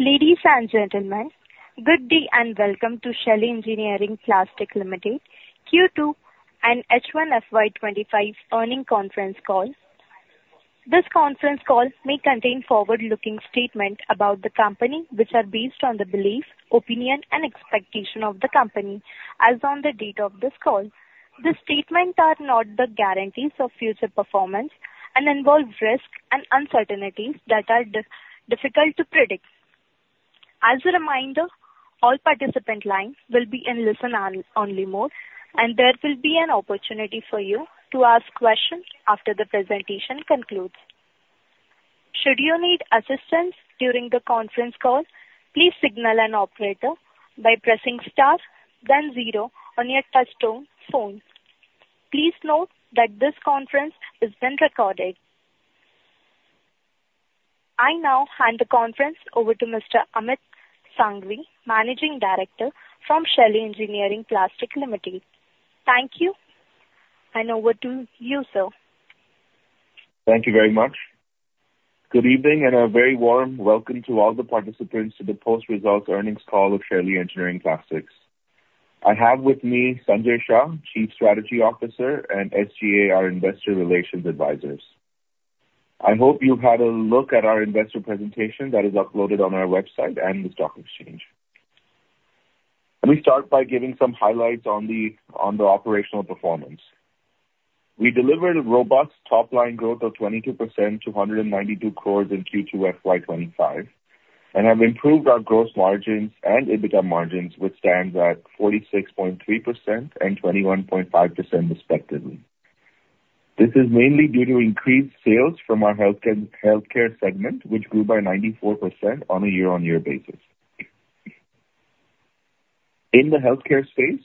Ladies and gentlemen, good day and welcome to Shaily Engineering Plastics Limited Q2 and H1 FY 2025 earnings conference call. This conference call may contain forward-looking statements about the company, which are based on the belief, opinion, and expectation of the company as on the date of this call. These statements are not the guarantees of future performance and involve risks and uncertainties that are difficult to predict. As a reminder, all participant lines will be in listen-only mode, and there will be an opportunity for you to ask questions after the presentation concludes. Should you need assistance during the conference call, please signal an operator by pressing star then zero on your touchtone phone. Please note that this conference is being recorded. I now hand the conference over to Mr. Amit Sanghvi, Managing Director from Shaily Engineering Plastics Limited. Thank you, and over to you, sir. Thank you very much. Good evening, a very warm welcome to all the participants to the post-results earnings call of Shaily Engineering Plastics. I have with me Sanjay Shah, Chief Strategy Officer, and SGA, our investor relations advisors. I hope you've had a look at our investor presentation that is uploaded on our website and the stock exchange. Let me start by giving some highlights on the operational performance. We delivered a robust top-line growth of 22% to 192 crores in Q2 FY 2025, have improved our gross margins and EBITDA margins, which stand at 46.3% and 21.5%, respectively. This is mainly due to increased sales from our healthcare segment, which grew by 94% on a year-on-year basis. In the healthcare space,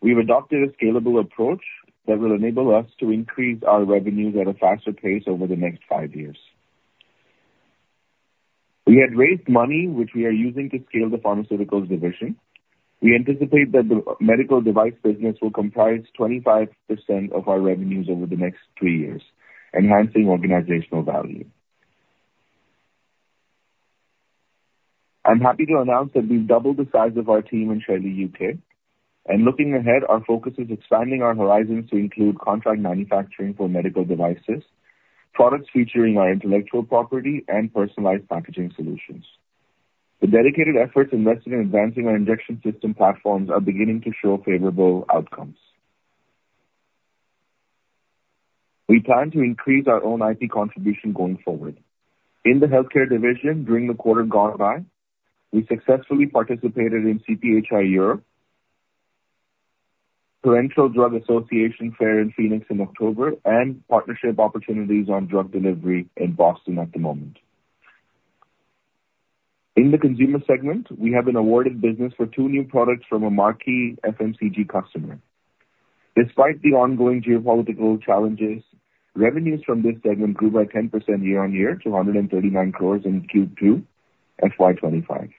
we've adopted a scalable approach that will enable us to increase our revenues at a faster pace over the next five years. We had raised money, which we are using to scale the pharmaceuticals division. We anticipate that the medical device business will comprise 25% of our revenues over the next three years, enhancing organizational value. I'm happy to announce that we've doubled the size of our team in Shaily UK. Looking ahead, our focus is expanding our horizons to include contract manufacturing for medical devices, products featuring our intellectual property, personalized packaging solutions. The dedicated efforts invested in advancing our injection system platforms are beginning to show favorable outcomes. We plan to increase our own IP contribution going forward. In the healthcare division, during the quarter gone by, we successfully participated in CPhI Europe, Parenteral Drug Association Fair in Phoenix in October, partnership opportunities on drug delivery in Boston at the moment. In the consumer segment, we have been awarded business for two new products from a marquee FMCG customer. Despite the ongoing geopolitical challenges, revenues from this segment grew by 10% year-on-year to 139 crores in Q2 FY 2025.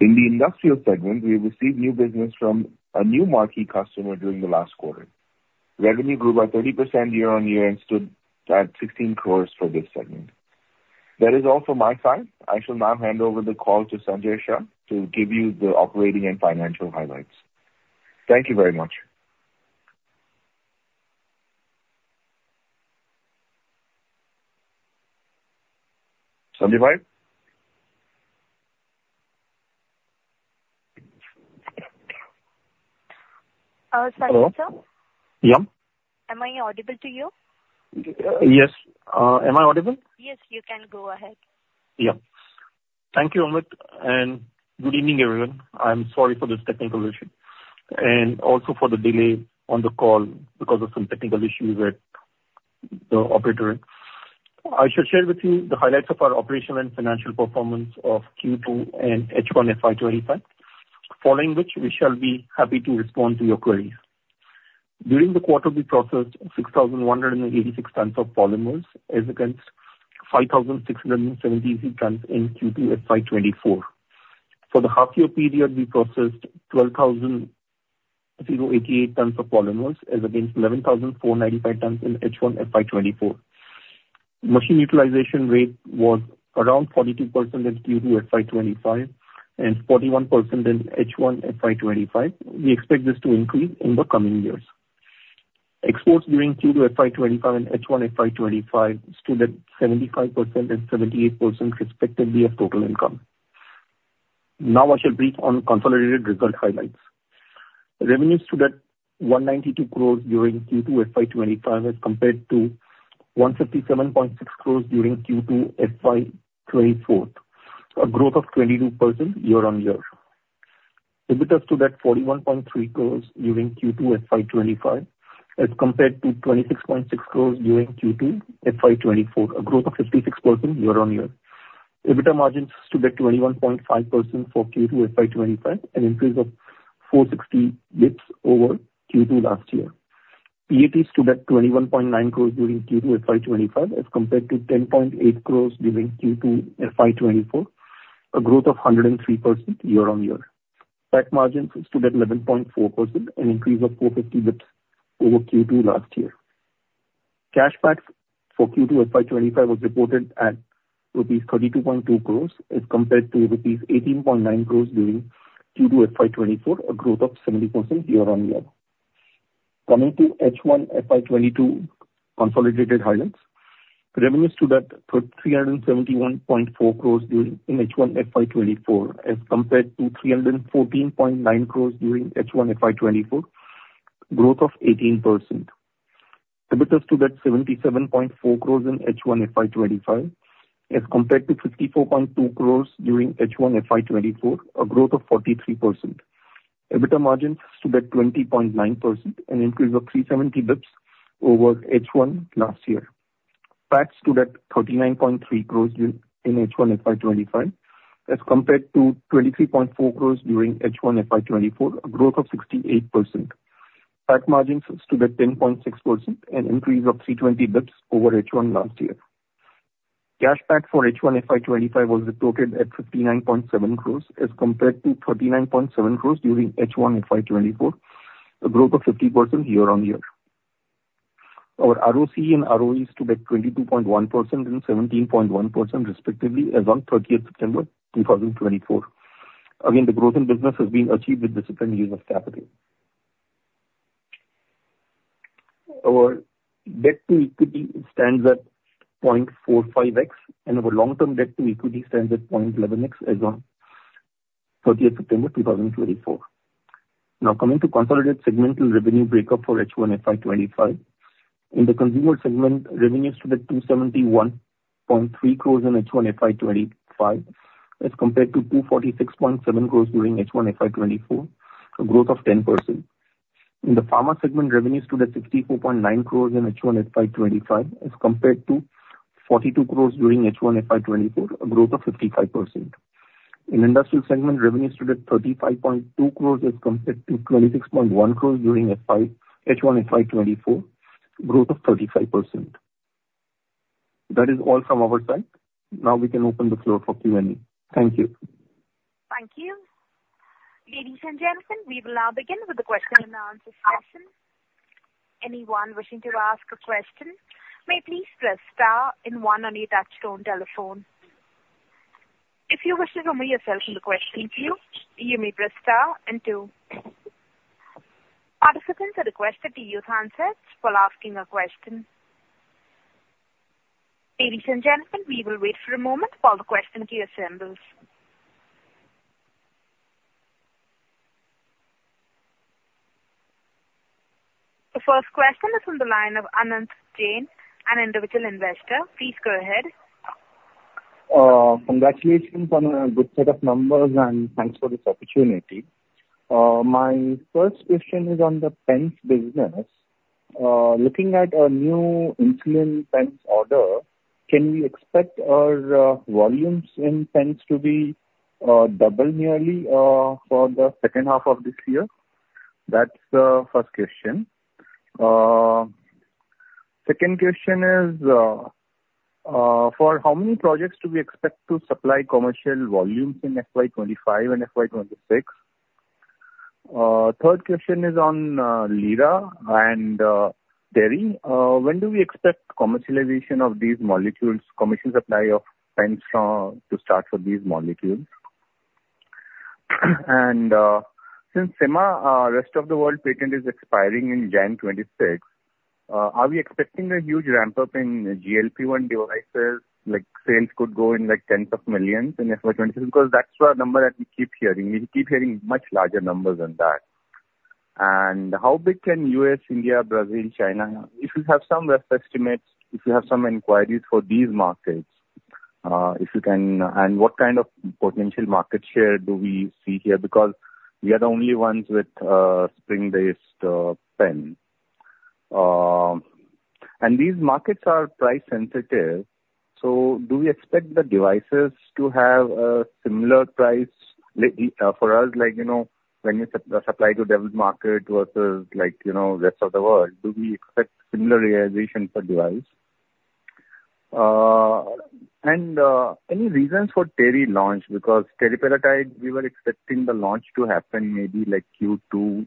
In the industrial segment, we received new business from a new marquee customer during the last quarter. Revenue grew by 30% year-on-year and stood at 16 crores for this segment. That is all from my side. I shall now hand over the call to Sanjay Shah to give you the operating and financial highlights. Thank you very much. Sanjay Shah? sorry, sir. Yeah. Am I audible to you? Yes. Am I audible? Yes, you can go ahead. Yeah. Thank you, Amit, and good evening, everyone. I'm sorry for this technical issue and also for the delay on the call because of some technical issue with the operator. I shall share with you the highlights of our operational and financial performance of Q2 and H1 FY 2025, following which we shall be happy to respond to your queries. During the quarter, we processed 6,186 tons of polymers as against 5,673 tons in Q2 FY 2024. For the half year period, we processed 12,088 tons of polymers as against 11,495 tons in H1 FY 2024. Machine utilization rate was around 42% in Q2 FY 2025 and 41% in H1 FY 2025. We expect this to increase in the coming years. Exports during Q2 FY 2025 and H1 FY 2025 stood at 75% and 78%, respectively, of total income. I shall brief on consolidated result highlights. Revenues stood at 192 crores during Q2 FY 2025 as compared to 157.6 crores during Q2 FY 2024, a growth of 22% year-on-year. EBITDA stood at 41.3 crores during Q2 FY 2025 as compared to 26.6 crores during Q2 FY 2024, a growth of 56% year-on-year. EBITDA margins stood at 21.5% for Q2 FY 2025, an increase of 460 basis points over Q2 last year. PAT stood at 21.9 crores during Q2 FY 2025 as compared to 10.8 crores during Q2 FY 2024, a growth of 103% year-on-year. PAT margins stood at 11.4%, an increase of 450 basis points over Q2 last year. Cash PAT for Q2 FY 2025 was reported at rupees 32.2 crores as compared to rupees 18.9 crores during Q2 FY 2024, a growth of 70% year-on-year. H1 FY 2025 consolidated highlights. Revenues stood at 371.4 crores in H1 FY 2024 as compared to 314.9 crores during H1 FY 2024, growth of 18%. EBITDA stood at 77.4 crores in H1 FY 2025 as compared to 54.2 crores during H1 FY 2024, a growth of 43%. EBITDA margins stood at 20.9%, an increase of 370 basis points over H1 last year. PAT stood at 39.3 crores in H1 FY 2025 as compared to 23.4 crores during H1 FY 2024, a growth of 68%. PAT margins stood at 10.6%, an increase of 320 basis points over H1 last year. Cash PAT for H1 FY 2025 was reported at 59.7 crores as compared to 49.7 crores during H1 FY 2024, a growth of 50% year-on-year. Our ROCE and ROE stood at 22.1% and 17.1% respectively as on 30th September 2024. The growth in business has been achieved with disciplined use of capital. Our debt to equity stands at 0.45x and our long-term debt to equity stands at 0.11x as on 30th September 2024. Consolidated segmental revenue breakup for H1 FY 2025. In the consumer segment, revenues stood at 271.3 crores in H1 FY 2025 as compared to 246.7 crores during H1 FY 2024, a growth of 10%. In the pharma segment, revenues stood at 64.9 crores in H1 FY 2025 as compared to 42 crores during H1 FY 2024, a growth of 55%. In industrial segment, revenues stood at 35.2 crores as compared to 26.1 crores during H1 FY 2024, growth of 35%. That is all from our side. We can open the floor for Q&A. Thank you. Thank you. Ladies and gentlemen, we will now begin with the question and answer session. Anyone wishing to ask a question may please press star and one on your touchtone telephone. If you wish to remove yourself from the question queue, you may press star and two. Participants are requested to use handsets while asking a question. Ladies and gentlemen, we will wait for a moment while the question queue assembles. The first question is on the line of Anant Jain, an individual investor. Please go ahead. Congratulations on a good set of numbers, thanks for this opportunity. My first question is on the pens business. Looking at a new insulin pens order, can we expect our volumes in pens to be double yearly for the second half of this year? That's the first question. Second question is, for how many projects do we expect to supply commercial volumes in FY 2025 and FY 2026? Third question is on Lira and Terry. When do we expect commercialization of these molecules, commission supply of pens to start for these molecules? Since Sema, rest of the world patent is expiring in January 2026, are we expecting a huge ramp-up in GLP-1 devices, like sales could go in tens of millions in FY 2026? That's what number that we keep hearing. We keep hearing much larger numbers than that. How big can U.S., India, Brazil, China. If you have some rough estimates, if you have some inquiries for these markets, what kind of potential market share do we see here? We are the only ones with spring-based pens. These markets are price sensitive, so do we expect the devices to have a similar price for us, like when you supply to developed market versus rest of the world, do we expect similar realization for device? Any reasons for Terry launch? teriparatide, we were expecting the launch to happen maybe Q1,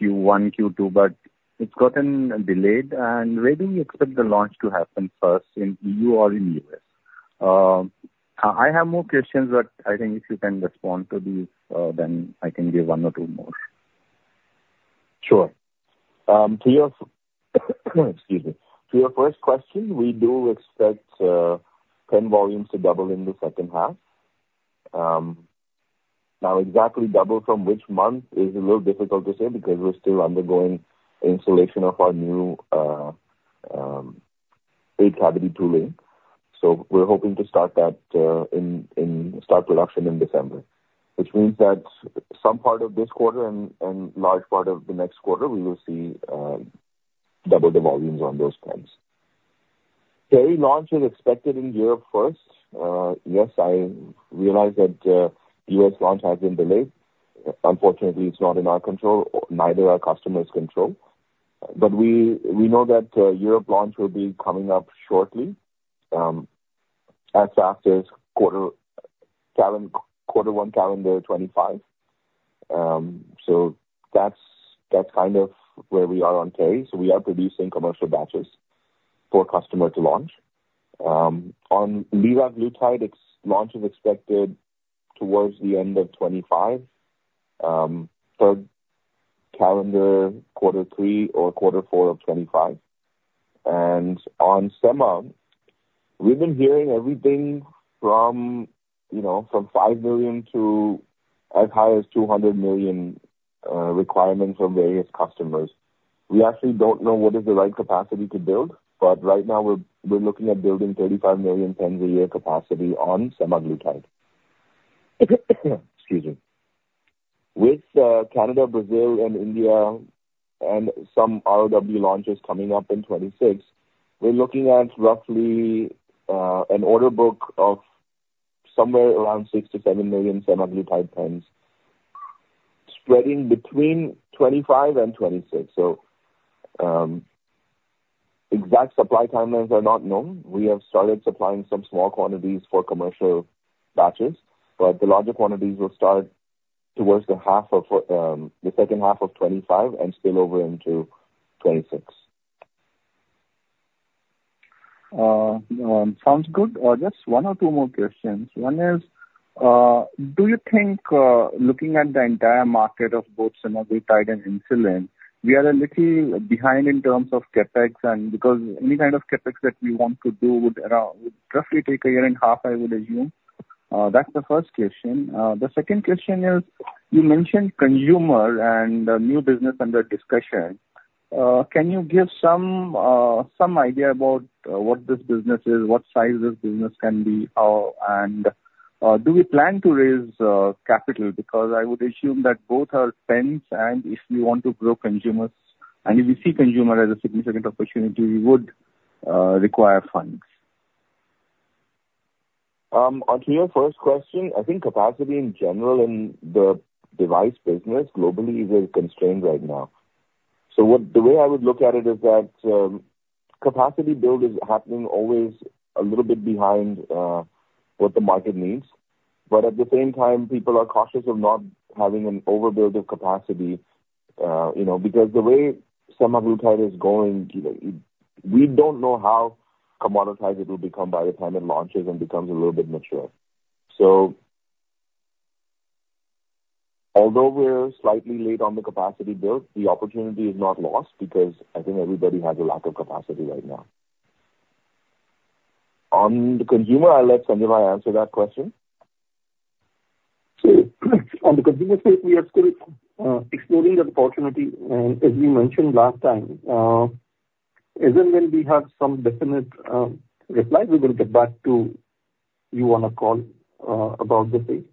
Q2, but it's gotten delayed. Where do you expect the launch to happen first, in EU or in U.S.? I have more questions, I think if you can respond to these, then I can give one or two more. Sure. Excuse me. To your first question, we do expect pen volumes to double in the second half. Now, exactly double from which month is a little difficult to say because we're still undergoing installation of our new eight-cavity tooling. We're hoping to start production in December, which means that some part of this quarter and large part of the next quarter, we will see double the volumes on those pens. Terry launch is expected in Europe first. Yes, I realize that U.S. launch has been delayed. Unfortunately, it's not in our control, neither our customer's control. We know that Europe launch will be coming up shortly, as fast as quarter one calendar 2025. That's kind of where we are on Terry. We are producing commercial batches for customer to launch. On liraglutide, its launch is expected towards the end of 2025, third calendar quarter 3 or quarter 4 of 2025. On sema, we've been hearing everything from 5 million to as high as 200 million requirements from various customers. We actually don't know what is the right capacity to build. Right now we're looking at building 35 million pens a year capacity on semaglutide. Excuse me. With Canada, Brazil, and India and some ROW launches coming up in 2026, we're looking at roughly an order book of somewhere around 6 to 7 million semaglutide pens spreading between 2025 and 2026. Exact supply timelines are not known. We have started supplying some small quantities for commercial batches, but the larger quantities will start towards the second half of 2025 and spill over into 2026. Sounds good. Just one or two more questions. One is, do you think, looking at the entire market of both semaglutide and insulin, we are a little behind in terms of CapEx and because any kind of CapEx that we want to do would roughly take a year and a half, I would assume? That's the first question. The second question is, you mentioned consumer and new business under discussion. Can you give some idea about what this business is, what size this business can be? Do we plan to raise capital? Because I would assume that both are pens and if we want to grow consumers and if we see consumer as a significant opportunity, we would require funds. On your first question, I think capacity in general in the device business globally is very constrained right now. The way I would look at it is that capacity build is happening always a little bit behind what the market needs, but at the same time, people are cautious of not having an overbuild of capacity because the way semaglutide is going, we don't know how commoditized it will become by the time it launches and becomes a little bit mature. Although we're slightly late on the capacity build, the opportunity is not lost because I think everybody has a lack of capacity right now. On the consumer, I'll let Sandeep answer that question. On the consumer side, we are still exploring that opportunity and as we mentioned last time, as and when we have some definite reply, we will get back to you on a call about the same.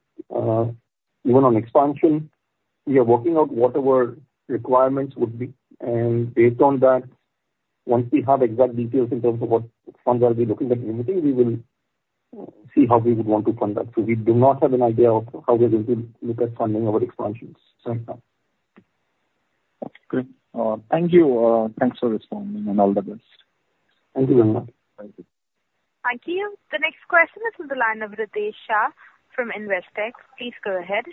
Even on expansion, we are working out what our requirements would be and based on that, once we have exact details in terms of what funds are we looking at limiting, we will see how we would want to fund that. We do not have an idea of how we will look at funding our expansions as of now. Okay. Thank you. Thanks for responding and all the best. Thank you very much. Thank you. Thank you. The next question is from the line of Ritesh Shah from Investec. Please go ahead.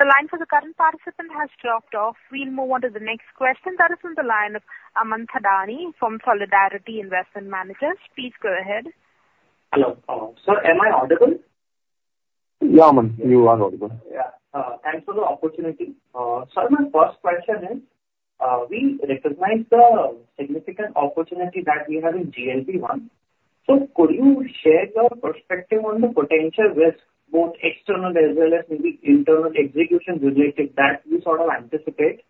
The line for the current participant has dropped off. We'll move on to the next question. That is on the line of Aman Thadani from Solidarity Investment Managers. Please go ahead. Hello. Sir, am I audible? Yeah, Aman, you are audible. Yeah. Thanks for the opportunity. Sir, my first question is, we recognize the significant opportunity that we have in GLP-1. Could you share your perspective on the potential risk both external as well as maybe internal execution-related that you sort of anticipate?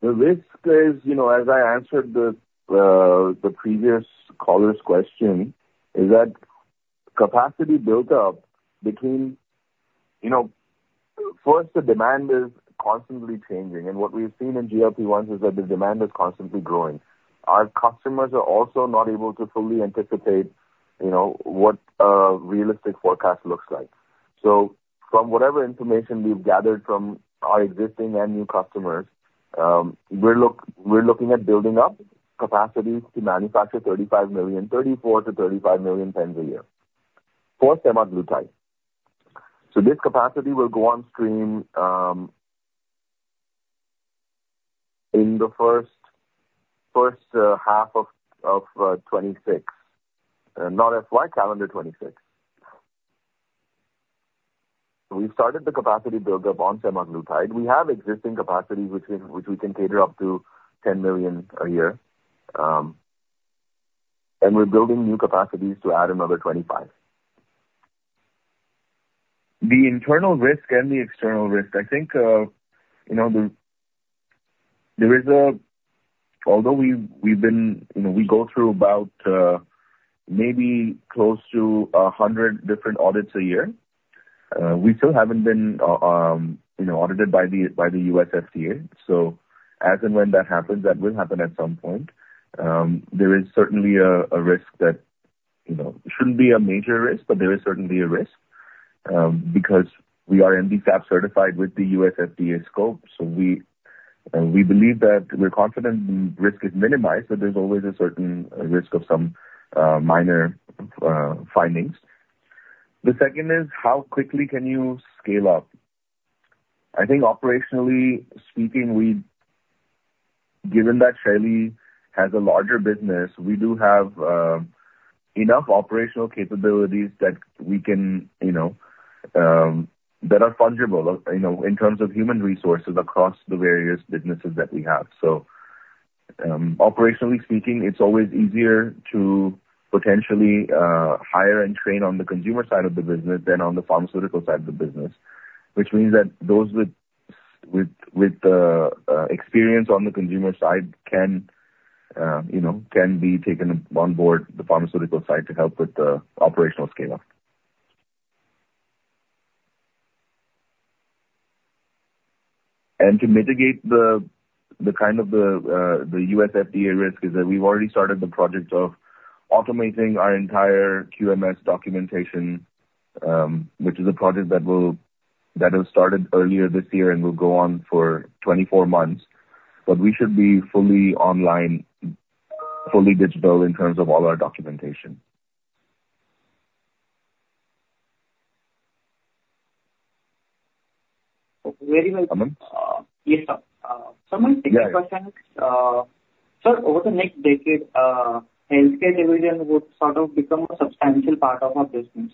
The risk is, as I answered the previous caller's question, is that capacity buildup. First, the demand is constantly changing and what we've seen in GLP-1 is that the demand is constantly growing. Our customers are also not able to fully anticipate what a realistic forecast looks like. From whatever information we've gathered from our existing and new customers, we're looking at building up capacities to manufacture 34-35 million pens a year for semaglutide. This capacity will go on stream in the first half of 2026, not FY calendar 2026. We've started the capacity buildup on semaglutide. We have existing capacity which we can cater up to 10 million a year. We're building new capacities to add another 25. The internal risk and the external risk, although we go through about maybe close to 100 different audits a year, we still haven't been audited by the U.S. FDA. As and when that happens, that will happen at some point. There is certainly a risk. It shouldn't be a major risk, but there is certainly a risk, because we are MDSAP certified with the U.S. FDA scope. We believe that we're confident risk is minimized, but there's always a certain risk of some minor findings. The second is how quickly can you scale up? I think operationally speaking, given that Shaily has a larger business, we do have enough operational capabilities that are fungible, in terms of human resources across the various businesses that we have. Operationally speaking, it's always easier to potentially hire and train on the consumer side of the business than on the pharmaceutical side of the business, which means that those with experience on the consumer side can be taken on board the pharmaceutical side to help with the operational scale-up. To mitigate the U.S. FDA risk is that we've already started the project of automating our entire QMS documentation, which is a project that has started earlier this year and will go on for 24 months. We should be fully online, fully digital in terms of all our documentation. Very well. Aman? Yes, sir. Yes. Sir, my second question is, sir, over the next decade, healthcare division would sort of become a substantial part of our business,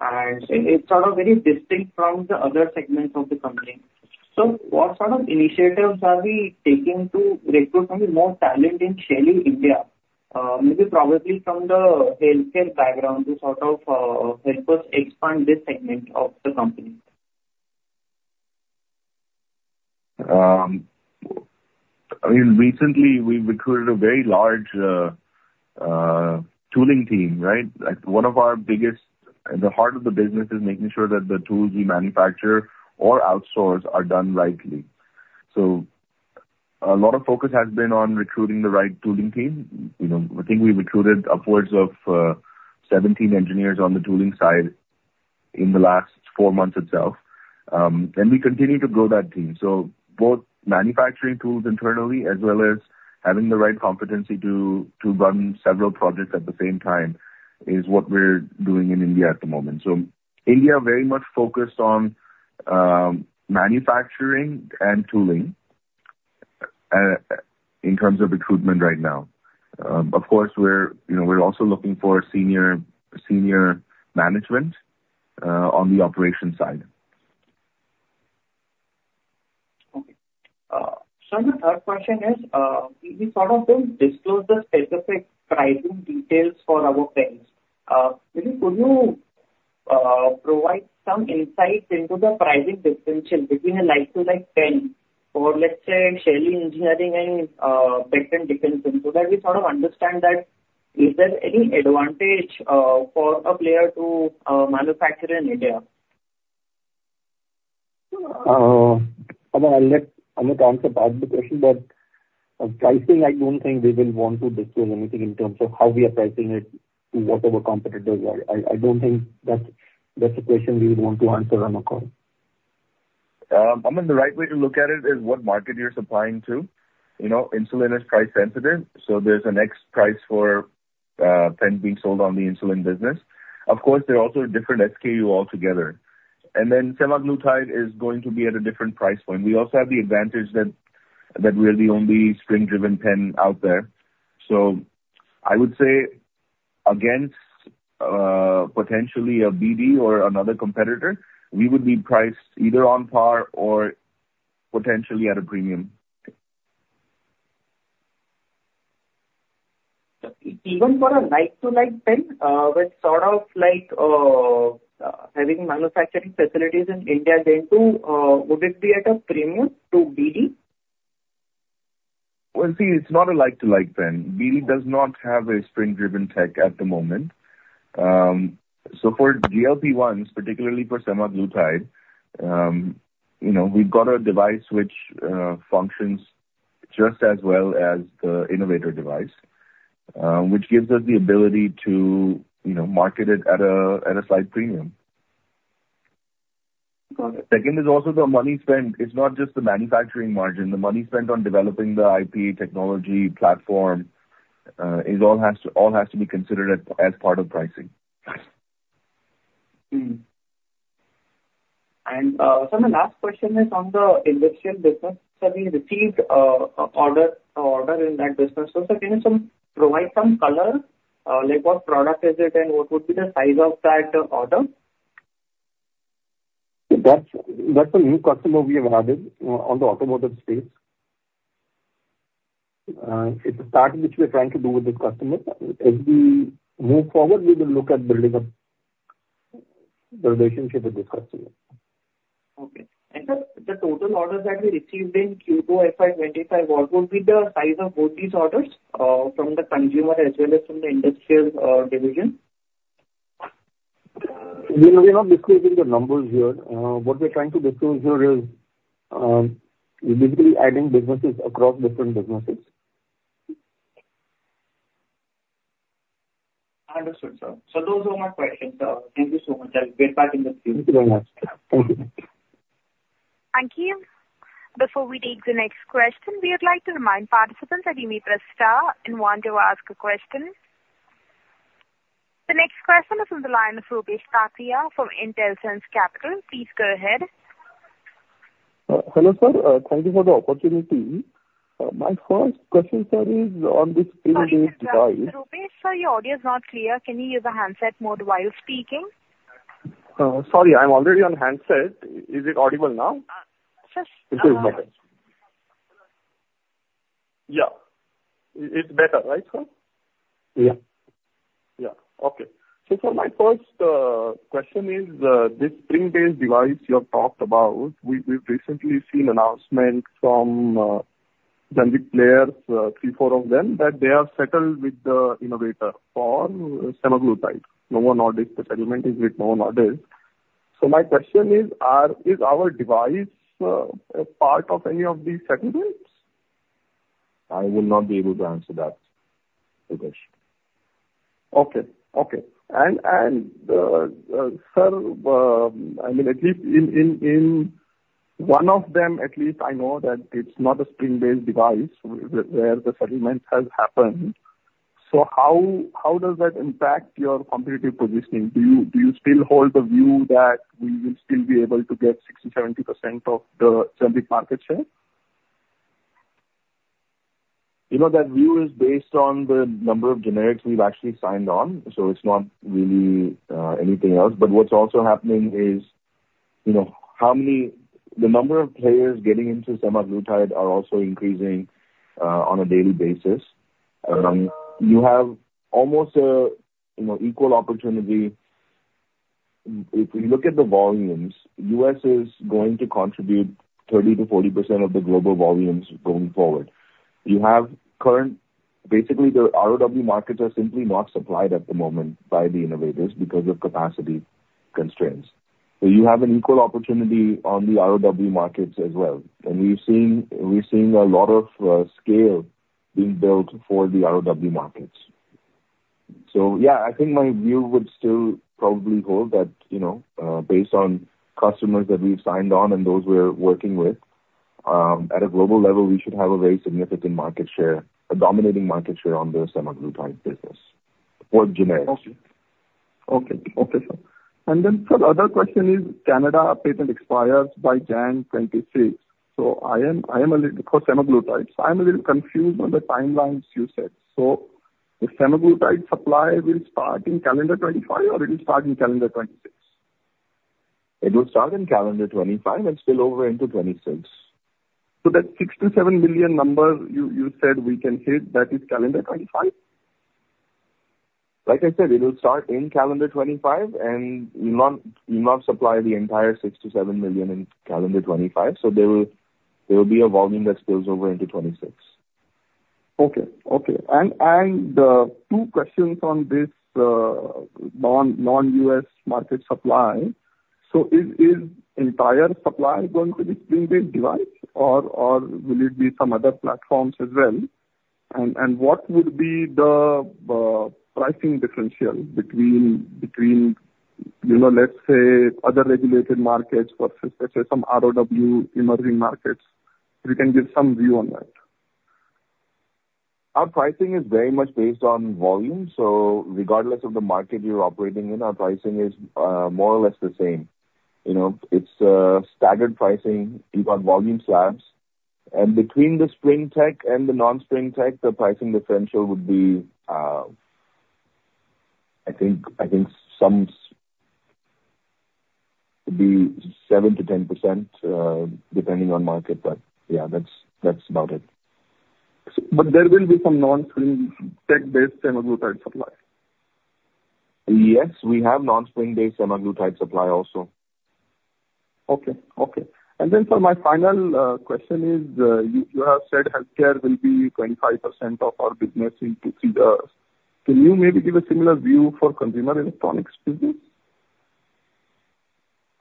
and it's sort of very distinct from the other segments of the company. What sort of initiatives are we taking to recruit more talent in Shaily India? Maybe probably from the healthcare background to help us expand this segment of the company. Recently we recruited a very large tooling team. The heart of the business is making sure that the tools we manufacture or outsource are done rightly. A lot of focus has been on recruiting the right tooling team. I think we recruited upwards of 17 engineers on the tooling side in the last four months itself. And we continue to grow that team. Both manufacturing tools internally as well as having the right competency to run several projects at the same time is what we're doing in India at the moment. India very much focused on manufacturing and tooling in terms of recruitment right now. Of course, we're also looking for senior management on the operations side. Okay. Sir, my third question is, we sort of don't disclose the specific pricing details for our pens. Maybe could you provide some insight into the pricing distinction between a like-to-like pen for, let's say, Shaily Engineering and Becton, Dickinson, so that we sort of understand that is there any advantage for a player to manufacture in India? Aman, I'll let Amit answer part of the question. Pricing, I don't think we will want to disclose anything in terms of how we are pricing it to whatever competitors are. I don't think that's a question we would want to answer on the call. Aman, the right way to look at it is what market you're supplying to. Insulin is price sensitive. There's an X price for pen being sold on the insulin business. Of course, they're also a different SKU altogether. Semaglutide is going to be at a different price point. We also have the advantage that we're the only spring-driven pen out there. I would say against potentially a BD or another competitor, we would be priced either on par or potentially at a premium. Even for a like-to-like pen, with having manufacturing facilities in India, then too, would it be at a premium to BD? Well, see, it's not a like-to-like pen. BD does not have a spring-driven tech at the moment. For GLP-1s, particularly for semaglutide, we've got a device which functions just as well as the innovator device, which gives us the ability to market it at a slight premium. Got it. Second is also the money spent. It is not just the manufacturing margin. The money spent on developing the IP technology platform all has to be considered as part of pricing. Sir, the last question is on the industrial business. Sir, we received order in that business. Sir, can you provide some color, like what product is it and what would be the size of that order? That is a new customer we have added on the automotive space. It is a start, which we are trying to do with this customer. As we move forward, we will look at building a relationship with this customer. Sir, the total orders that we received in Q2 FY 2025, what would be the size of both these orders from the consumer as well as from the industrial division? We're not disclosing the numbers here. What we're trying to disclose here is, we're basically adding businesses across different businesses. Understood, sir. Those are my questions, sir. Thank you so much. I'll get back in the queue. Thank you very much. Thank you. Thank you. Before we take the next question, we would like to remind participants that you may press star and one to ask a question. The next question is on the line of Rupesh Kataria from Intelsense Capital. Please go ahead. Hello, sir. Thank you for the opportunity. My first question, sir, is on this spring-based device. Sorry, sir. Rupesh, sir, your audio is not clear. Can you use the handset mode while speaking? Sorry, I'm already on handset. Is it audible now? Yes. It is better. Yeah. It's better, right, sir? Yeah. Yeah. Okay. Sir, my first question is this spring-based device you have talked about. We've recently seen announcements from generic players, three, four of them, that they are settled with the innovator for semaglutide. Novo Nordisk, the settlement is with Novo Nordisk. My question is our device a part of any of these settlements? I will not be able to answer that question. Okay. Sir, in one of them at least I know that it's not a spring-based device where the settlement has happened. How does that impact your competitive positioning? Do you still hold the view that we will still be able to get 60%-70% of the generic market share? You know that view is based on the number of generics we've actually signed on, so it's not really anything else. What's also happening is, the number of players getting into semaglutide are also increasing on a daily basis. You have almost an equal opportunity. If we look at the volumes, U.S. is going to contribute 30%-40% of the global volumes going forward. Basically, the ROW markets are simply not supplied at the moment by the innovators because of capacity constraints. You have an equal opportunity on the ROW markets as well. We're seeing a lot of scale being built for the ROW markets. Yeah, I think my view would still probably hold that based on customers that we've signed on and those we're working with, at a global level, we should have a very significant market share, a dominating market share on the semaglutide business for generics. Okay. Sir, the other question is Canada patent expires by January 2026 for semaglutide. I'm a little confused on the timelines you said. The semaglutide supply will start in calendar 2025 or it will start in calendar 2026? It will start in calendar 2025 and spill over into 2026. That 6 million-7 million number you said we can hit, that is calendar 2025? Like I said, it will start in calendar 2025 and we will not supply the entire 6 million-7 million in calendar 2025. There will be a volume that spills over into 2026. Okay. Two questions on this non-U.S. market supply. Is entire supply going to be spring-based device or will it be some other platforms as well? What would be the pricing differential between, let's say, other regulated markets versus, let's say, some ROW emerging markets? If you can give some view on that. Our pricing is very much based on volume. Regardless of the market you're operating in, our pricing is more or less the same. It's staggered pricing. You've got volume slabs. Between the spring tech and the non-spring tech, the pricing differential would be, I think, 7%-10%, depending on market. Yeah, that's about it. There will be some non-spring tech-based semaglutide supply. Yes, we have non-spring based semaglutide supply also. Okay. Sir, my final question is, you have said healthcare will be 25% of our business in two, three years. Can you maybe give a similar view for consumer electronics business?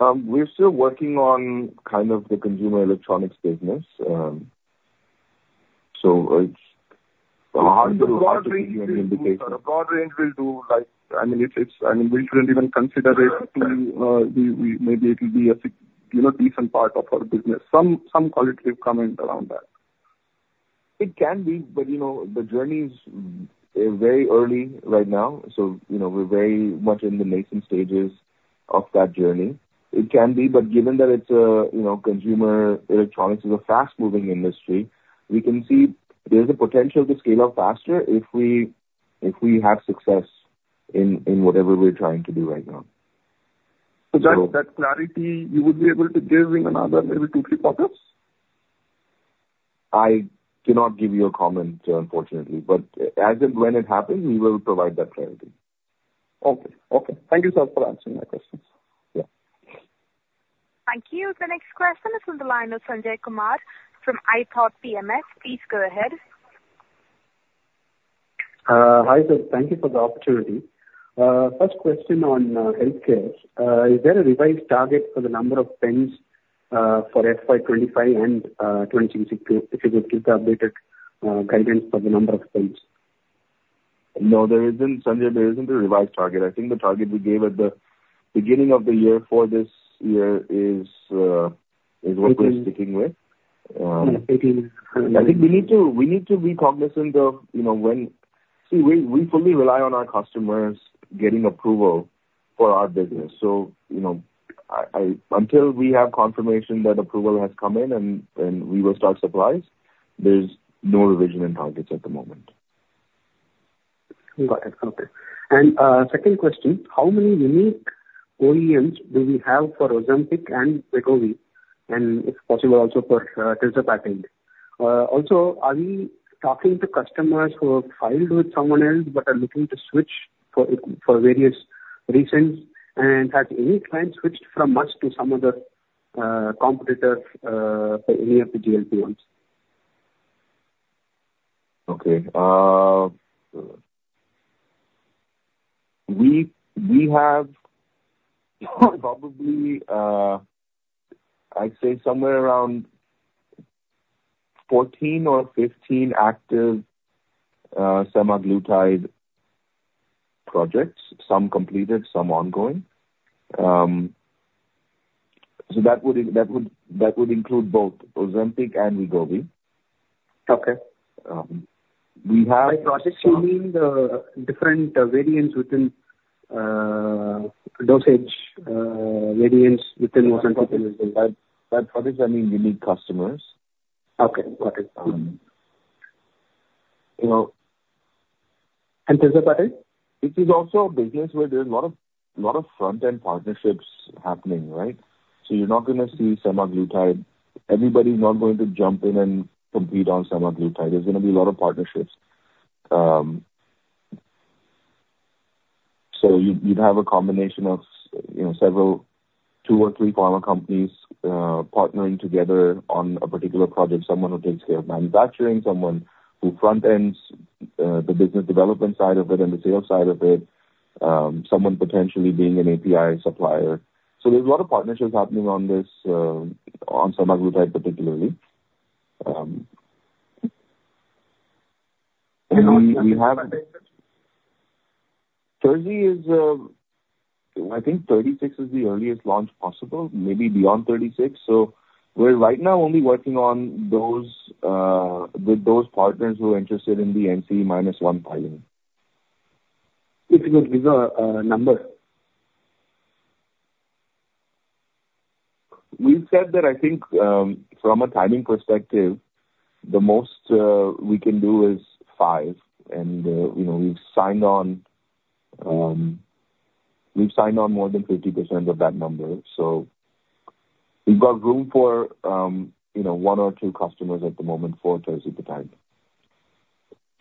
We're still working on the consumer electronics business. A broad range will do, sir. A broad range will do. We shouldn't even consider it. Maybe it'll be a decent part of our business. Some qualitative comment around that. It can be, but the journey is very early right now, so we're very much in the nascent stages of that journey. It can be, but given that consumer electronics is a fast-moving industry, we can see there's a potential to scale up faster if we have success in whatever we're trying to do right now. That clarity you would be able to give in another maybe two, three quarters? I cannot give you a comment, unfortunately. As and when it happens, we will provide that clarity. Okay. Thank you, sir, for answering my questions. Yeah. Thank you. The next question is on the line of Sanjay Kumar from iPoT PMS. Please go ahead. Hi, sir. Thank you for the opportunity. First question on healthcare. Is there a revised target for the number of pens for FY 2025 and 2026? If you could give the updated guidance for the number of pens. No, Sanjay, there isn't a revised target. I think the target we gave at the beginning of the year for this year is what we're sticking with. 18. I think we need to be cognizant of when we fully rely on our customers getting approval for our business. Until we have confirmation that approval has come in and we will start supplies, there's no revision in targets at the moment. Got it. Okay. Second question, how many unique OEMs do we have for Ozempic and Wegovy? If possible, also for tirzepatide. Are we talking to customers who have filed with someone else but are looking to switch for various reasons? Have any clients switched from us to some other competitor for any of the GLP-1s? Okay. We have probably, I'd say somewhere around 14 or 15 active semaglutide projects, some completed, some ongoing. That would include both Ozempic and Wegovy. Okay. We have- By projects, you mean the different variants within dosage, variants within Ozempic and Wegovy. By projects, I mean unique customers. Okay. Got it. You know Tirzepatide? This is also a business where there's a lot of front-end partnerships happening, right? You're not going to see semaglutide. Everybody's not going to jump in and compete on semaglutide. There's going to be a lot of partnerships. You'd have a combination of two or three pharma companies partnering together on a particular project. Someone who takes care of manufacturing, someone who front-ends the business development side of it and the sales side of it, someone potentially being an API supplier. There's a lot of partnerships happening on semaglutide, particularly. On tirzepatide? I think 2036 is the earliest launch possible, maybe beyond 2036. We're right now only working with those partners who are interested in the NCE minus one filing. If you could give a number. We've said that, I think, from a timing perspective, the most we can do is five. We've signed on more than 50% of that number. We've got room for one or two customers at the moment for Tirzepatide.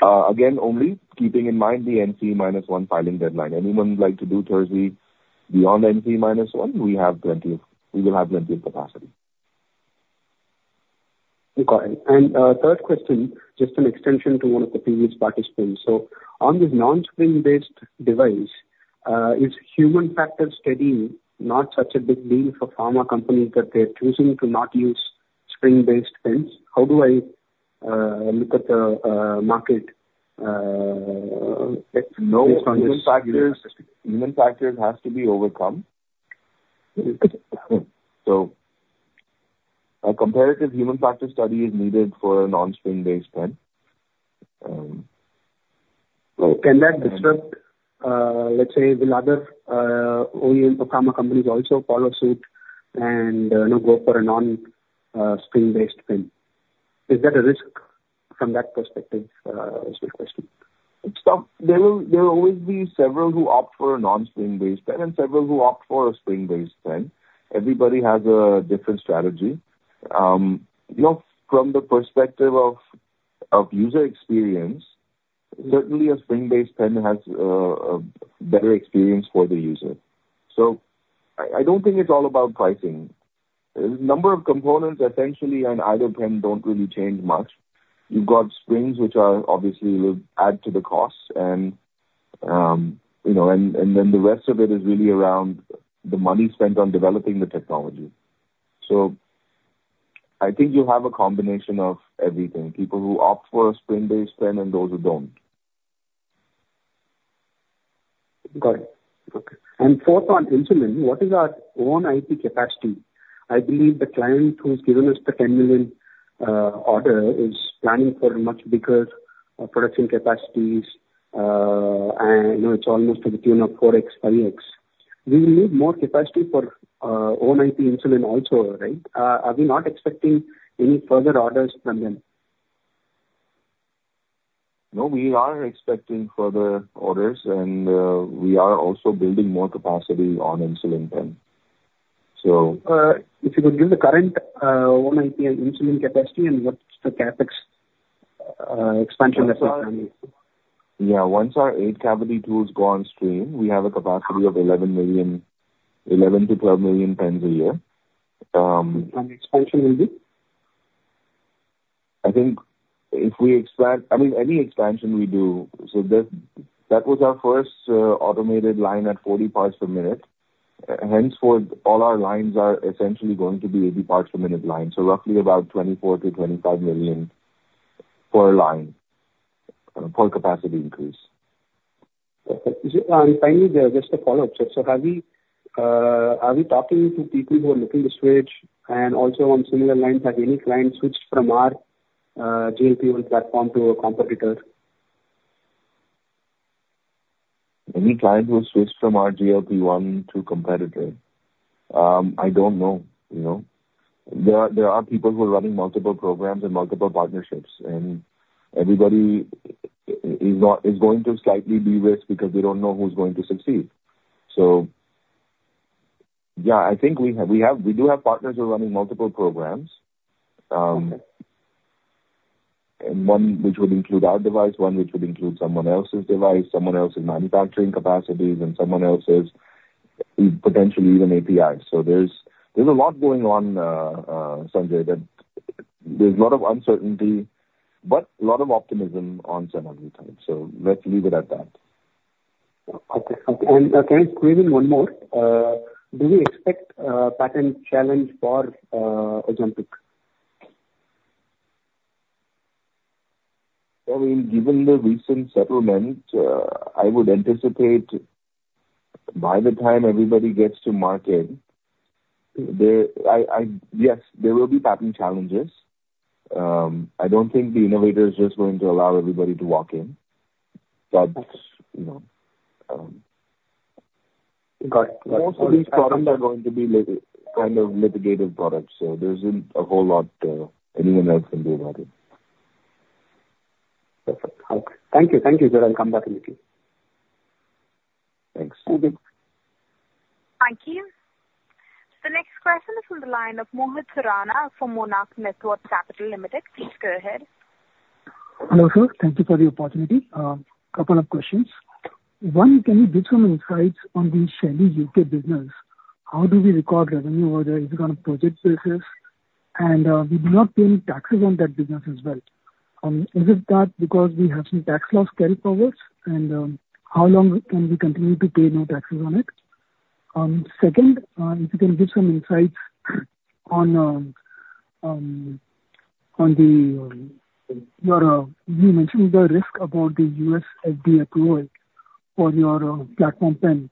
Only keeping in mind the NCE minus one filing deadline. Anyone who'd like to do Tirzepatide beyond NCE minus one, we will have plenty of capacity. Okay. Third question, just an extension to one of the previous participants. On this non-spring-based device, is human factor study not such a big deal for pharma companies that they're choosing to not use spring-based pens? How do I look at the market based on this new assessment? Human factors have to be overcome. A comparative human factors study is needed for a non-spring-based pen. Can that disrupt, let's say, will other OEM or pharma companies also follow suit and go for a non-spring-based pen? Is that a risk from that perspective is the question. There will always be several who opt for a non-spring-based pen and several who opt for a spring-based pen. Everybody has a different strategy. From the perspective of user experience, certainly, a spring-based pen has a better experience for the user. I don't think it's all about pricing. Number of components essentially on either pen don't really change much. You've got springs, which obviously will add to the cost, and then the rest of it is really around the money spent on developing the technology. I think you'll have a combination of everything, people who opt for a spring-based pen and those who don't. Got it. Okay. Fourth, on insulin, what is our own IP capacity? I believe the client who's given us the 10 million order is planning for much bigger production capacities, and it's almost to the tune of 4X, 5X. We will need more capacity for own IP insulin also, right? Are we not expecting any further orders from them? No, we are expecting further orders, and we are also building more capacity on insulin pen. If you could give the current own IP insulin capacity and what's the CapEx expansion that's planned? Yeah. Once our eight-cavity tools go on stream, we have a capacity of 11 to 12 million pens a year. Expansion will be? I think any expansion we do, that was our first automated line at 40 parts per minute. All our lines are essentially going to be 80 parts per minute line, so roughly about 24 million-25 million per line, per capacity increase. Perfect. Finally, just a follow-up, sir. Sir, are we talking to people who are looking to switch? Also on similar lines, have any clients switched from our GLP-1 platform to a competitor? Any client who switched from our GLP-1 to competitor? I don't know. There are people who are running multiple programs and multiple partnerships, everybody is going to slightly de-risk because we don't know who's going to succeed. Yeah, I think we do have partners who are running multiple programs. Okay. One which would include our device, one which would include someone else's device, someone else's manufacturing capacities, and someone else's, potentially even APIs. There's a lot going on, Sanjay, that there's a lot of uncertainty, but a lot of optimism on some of these times. Let's leave it at that. Okay. Can I squeeze in one more? Do we expect a patent challenge for Ozempic? Well, given the recent settlement, I would anticipate by the time everybody gets to market, yes, there will be patent challenges. I don't think the innovator is just going to allow everybody to walk in. Got it Most of these products are going to be kind of litigated products, there isn't a whole lot anyone else can do about it. Perfect. Okay. Thank you, sir. I'll come back if need be. Thanks. Okay. Thank you. The next question is from the line of Mohit Surana from Monarch Networth Capital Limited. Please go ahead. Hello, sir. Thank you for the opportunity. A couple of questions. One, can you give some insights on the Shaily UK business? How do we record revenue over there? Is it on a project basis? We do not pay any taxes on that business as well. Is it that because we have some tax loss carryforwards? How long can we continue to pay no taxes on it? Second, if you can give some insights on the, you mentioned the risk about the U.S. FDA approval for your platform pen.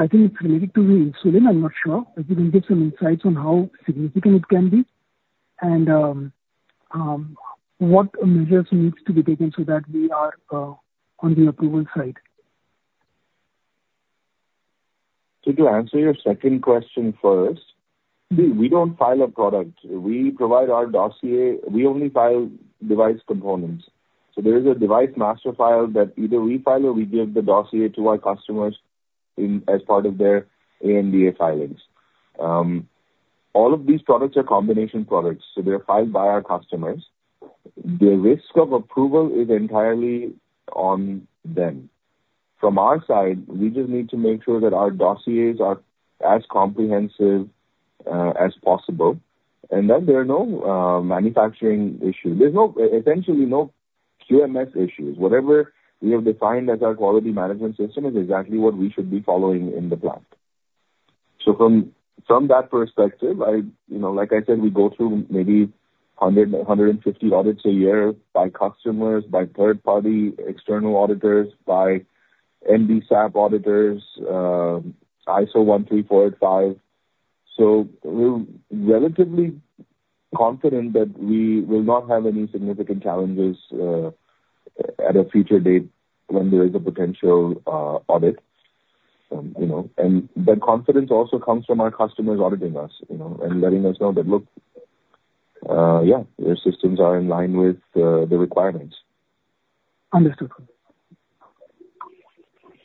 I think it's related to the insulin. I'm not sure. If you can give some insights on how significant it can be and what measures needs to be taken so that we are on the approval side. To answer your second question first. We don't file a product. We provide our dossier. We only file device components. There is a device master file that either we file or we give the dossier to our customers as part of their ANDA filings. All of these products are combination products, so they're filed by our customers. The risk of approval is entirely on them. From our side, we just need to make sure that our dossiers are as comprehensive as possible and that there are no manufacturing issue. There's essentially no QMS issues. Whatever we have defined as our quality management system is exactly what we should be following in the plant. From that perspective, like I said, we go through maybe 150 audits a year by customers, by third-party external auditors, by MDSAP auditors, ISO 1, 2, 3, 4, 5. We're relatively confident that we will not have any significant challenges at a future date when there is a potential audit. That confidence also comes from our customers auditing us and letting us know that, "Look, yeah, your systems are in line with the requirements. Understood.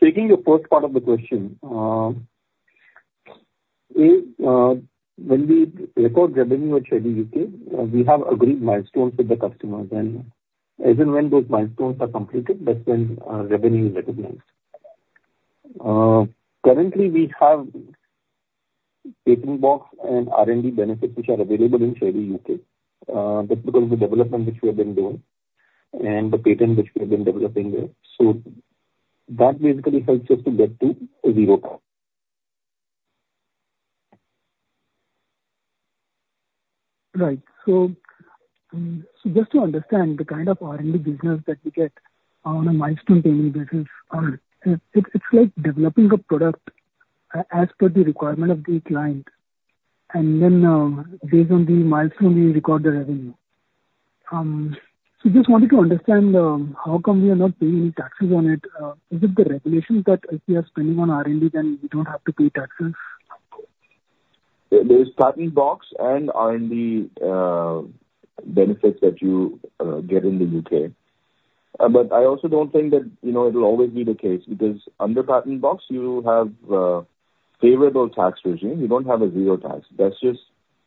Taking the first part of the question. When we record revenue at Shaily UK, we have agreed milestones with the customers, and as and when those milestones are completed, that's when revenue is recognized. Currently, we have Patent Box and R&D benefits which are available in Shaily UK. That's because of the development which we have been doing and the patent which we have been developing there. That basically helps us to get to zero tax. Right. Just to understand the kind of R&D business that we get on a milestone payment basis, it's like developing a product as per the requirement of the client, and then based on the milestone, we record the revenue. Just wanted to understand how come we are not paying any taxes on it. Is it the regulations that if we are spending on R&D, then we don't have to pay taxes? There's Patent Box and R&D benefits that you get in the U.K. I also don't think that it'll always be the case because under Patent Box you have a favorable tax regime. You don't have a zero tax. That's just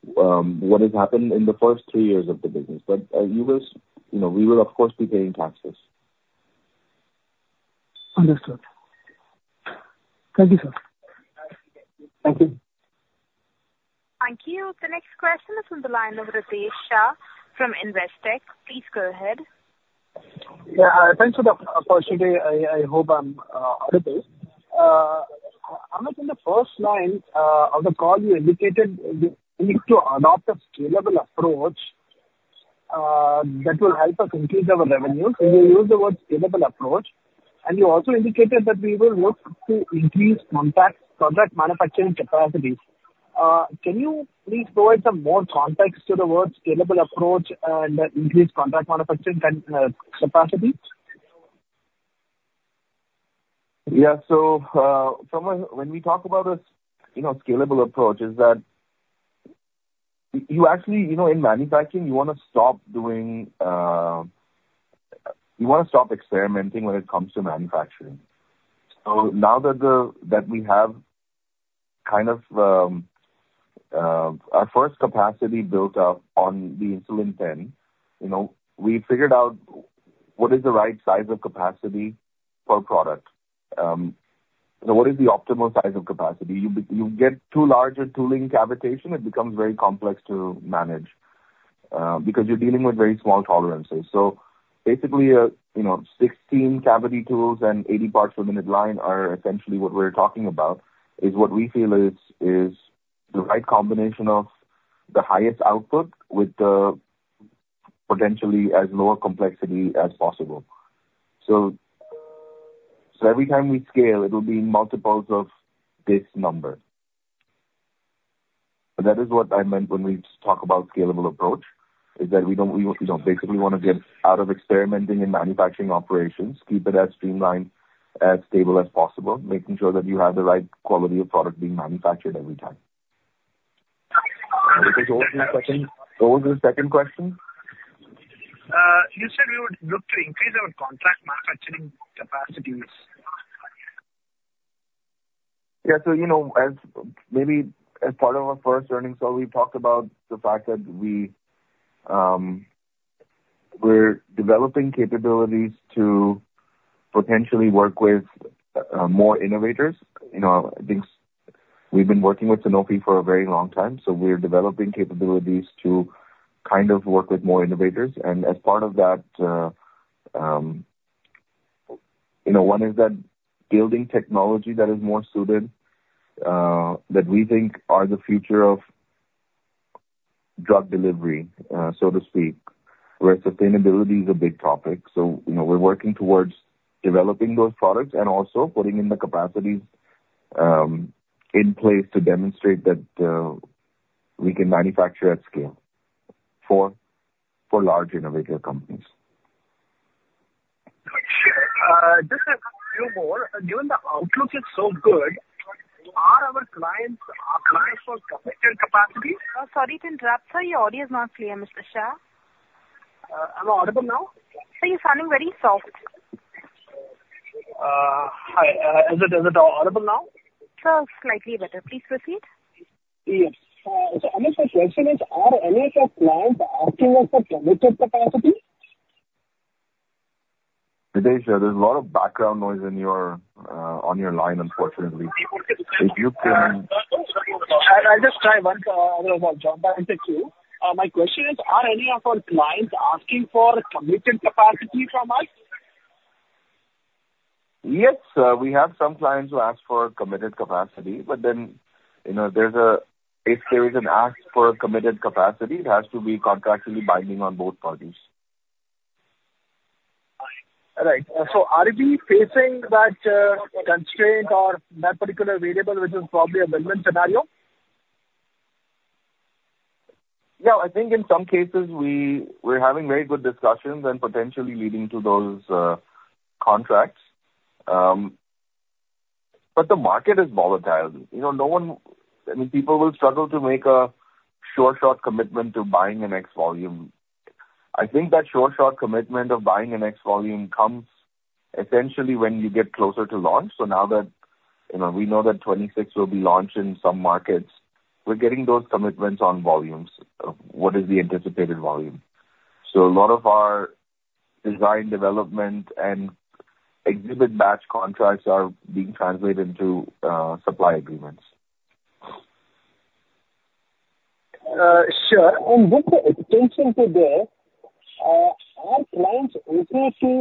what has happened in the first three years of the business. We will, of course, be paying taxes Understood. Thank you, sir. Thank you. Thank you. The next question is from the line of Ritesh Shah from Investec. Please go ahead. Yeah. Thanks for the opportunity. I hope I'm audible. Amit, in the first line of the call, you indicated the need to adopt a scalable approach that will help us increase our revenues. You used the words scalable approach, and you also indicated that we will look to increase contract manufacturing capacities. Can you please provide some more context to the words scalable approach and increased contract manufacturing capacities? When we talk about a scalable approach is that, in manufacturing, you want to stop experimenting when it comes to manufacturing. Now that we have our first capacity built up on the insulin pen, we figured out what is the right size of capacity per product. What is the optimal size of capacity? You get too large a tooling cavitation, it becomes very complex to manage, because you're dealing with very small tolerances. Basically, 16 cavity tools and 80 parts per minute line are essentially what we're talking about, is what we feel is the right combination of the highest output with potentially as low a complexity as possible. Every time we scale, it'll be multiples of this number. That is what I meant when we talk about scalable approach, is that we basically want to get out of experimenting in manufacturing operations, keep it as streamlined, as stable as possible, making sure that you have the right quality of product being manufactured every time. What was the second question? You said we would look to increase our contract manufacturing capacities. Maybe as part of our first earnings call, we talked about the fact that we're developing capabilities to potentially work with more innovators. We've been working with Sanofi for a very long time, we're developing capabilities to work with more innovators. As part of that, one is that building technology that is more suited, that we think are the future of drug delivery, so to speak, where sustainability is a big topic. We're working towards developing those products and also putting in the capacities in place to demonstrate that we can manufacture at scale for large innovative companies. Sure. Just a few more. Given the outlook is so good, are our clients asking us for committed capacity? Sorry to interrupt. Sir, your audio is not clear, Mr. Shah. Am I audible now? Sir, you're sounding very soft. Is it audible now? Sir, slightly better. Please proceed. Yes. Amit, my question is, are any of our clients asking us for committed capacity? Ritesh, there's a lot of background noise on your line, unfortunately. I'll just try once. Otherwise, I'll jump back to you. My question is, are any of our clients asking for committed capacity from us? Yes. We have some clients who ask for committed capacity. If there is an ask for a committed capacity, it has to be contractually binding on both parties. Right. Are we facing that constraint or that particular variable, which is probably a amendment scenario? Yeah, I think in some cases we're having very good discussions and potentially leading to those contracts. The market is volatile. People will struggle to make a sure shot commitment to buying an X volume. I think that sure shot commitment of buying an X volume comes essentially when you get closer to launch. Now that we know that 2026 will be launched in some markets, we're getting those commitments on volumes. What is the anticipated volume? A lot of our design development and exhibit batch contracts are being translated into supply agreements. Sure. With the attention to there, are clients open to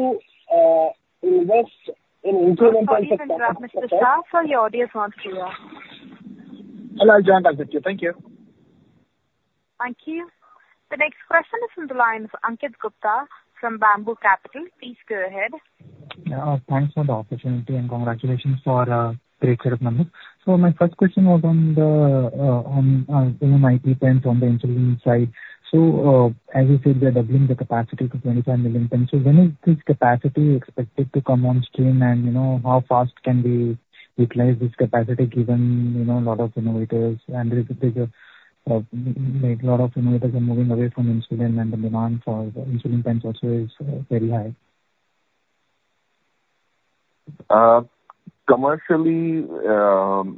invest in insulin concept- Sorry to interrupt, Mr. Shah. Sir, your audio is not clear. I'll jump back to you. Thank you. Thank you. The next question is from the line of Ankit Gupta from Bamboo Capital. Please go ahead. Yeah. Thanks for the opportunity and congratulations for great set of numbers. My first question was on the MIO pens on the insulin side. As you said, we are doubling the capacity to 25 million pens. When is this capacity expected to come on stream, and how fast can we utilize this capacity given a lot of innovators are moving away from insulin and the demand for the insulin pens also is very high? Commercially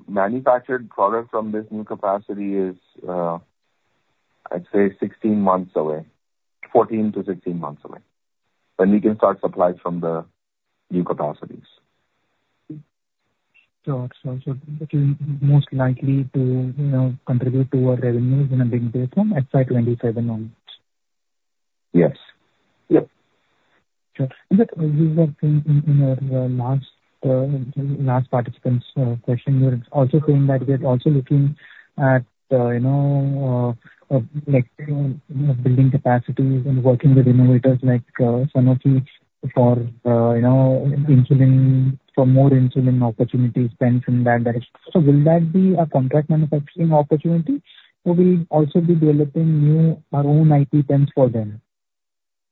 manufactured product from this new capacity is I'd say 16 months away. 14 to 16 months away, when we can start supply from the new capacities. Got you. It will be most likely to contribute to our revenues in a big way from FY 2027 onwards. Yes. Sure. In our last participant's question, you were also saying that we're also looking at building capacities and working with innovators like Sanofi for more insulin opportunities, pens in that direction. Will that be a contract manufacturing opportunity, or we'll also be developing our own IP pens for them?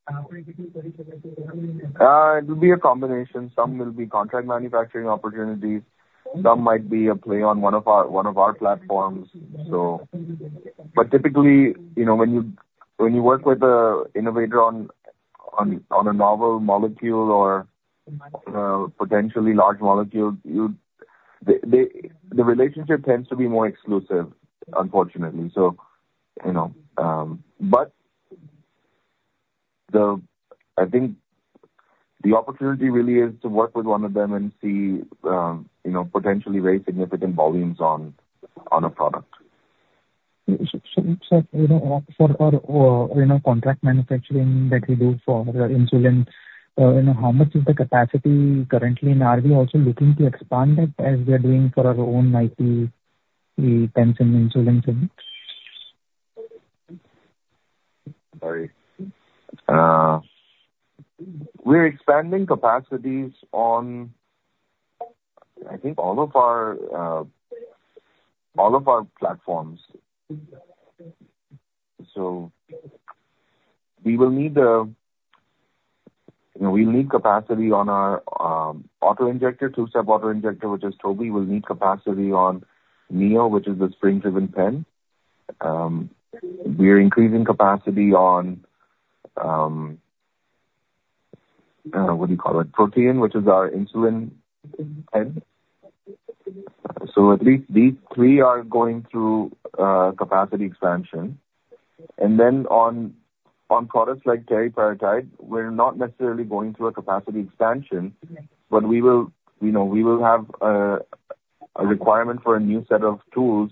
It will be a combination. Some will be contract manufacturing opportunities. Some might be a play on one of our platforms. Typically, when you work with an innovator on a novel molecule or potentially large molecule, the relationship tends to be more exclusive, unfortunately. I think the opportunity really is to work with one of them and see potentially very significant volumes on a product. Sir, for our contract manufacturing that we do for insulin, how much is the capacity currently, and are we also looking to expand that as we are doing for our own IP pens and insulin syringe? Sorry. We're expanding capacities on, I think, all of our platforms. We'll need capacity on our auto-injector, two-step auto-injector, which is Toby. We'll need capacity on MIO, which is the spring-driven pen. We're increasing capacity on, what do you call it? Protean, which is our insulin pen. At least these three are going through capacity expansion. And then on products like teriparatide, we're not necessarily going through a capacity expansion, but we will have a requirement for a new set of tools,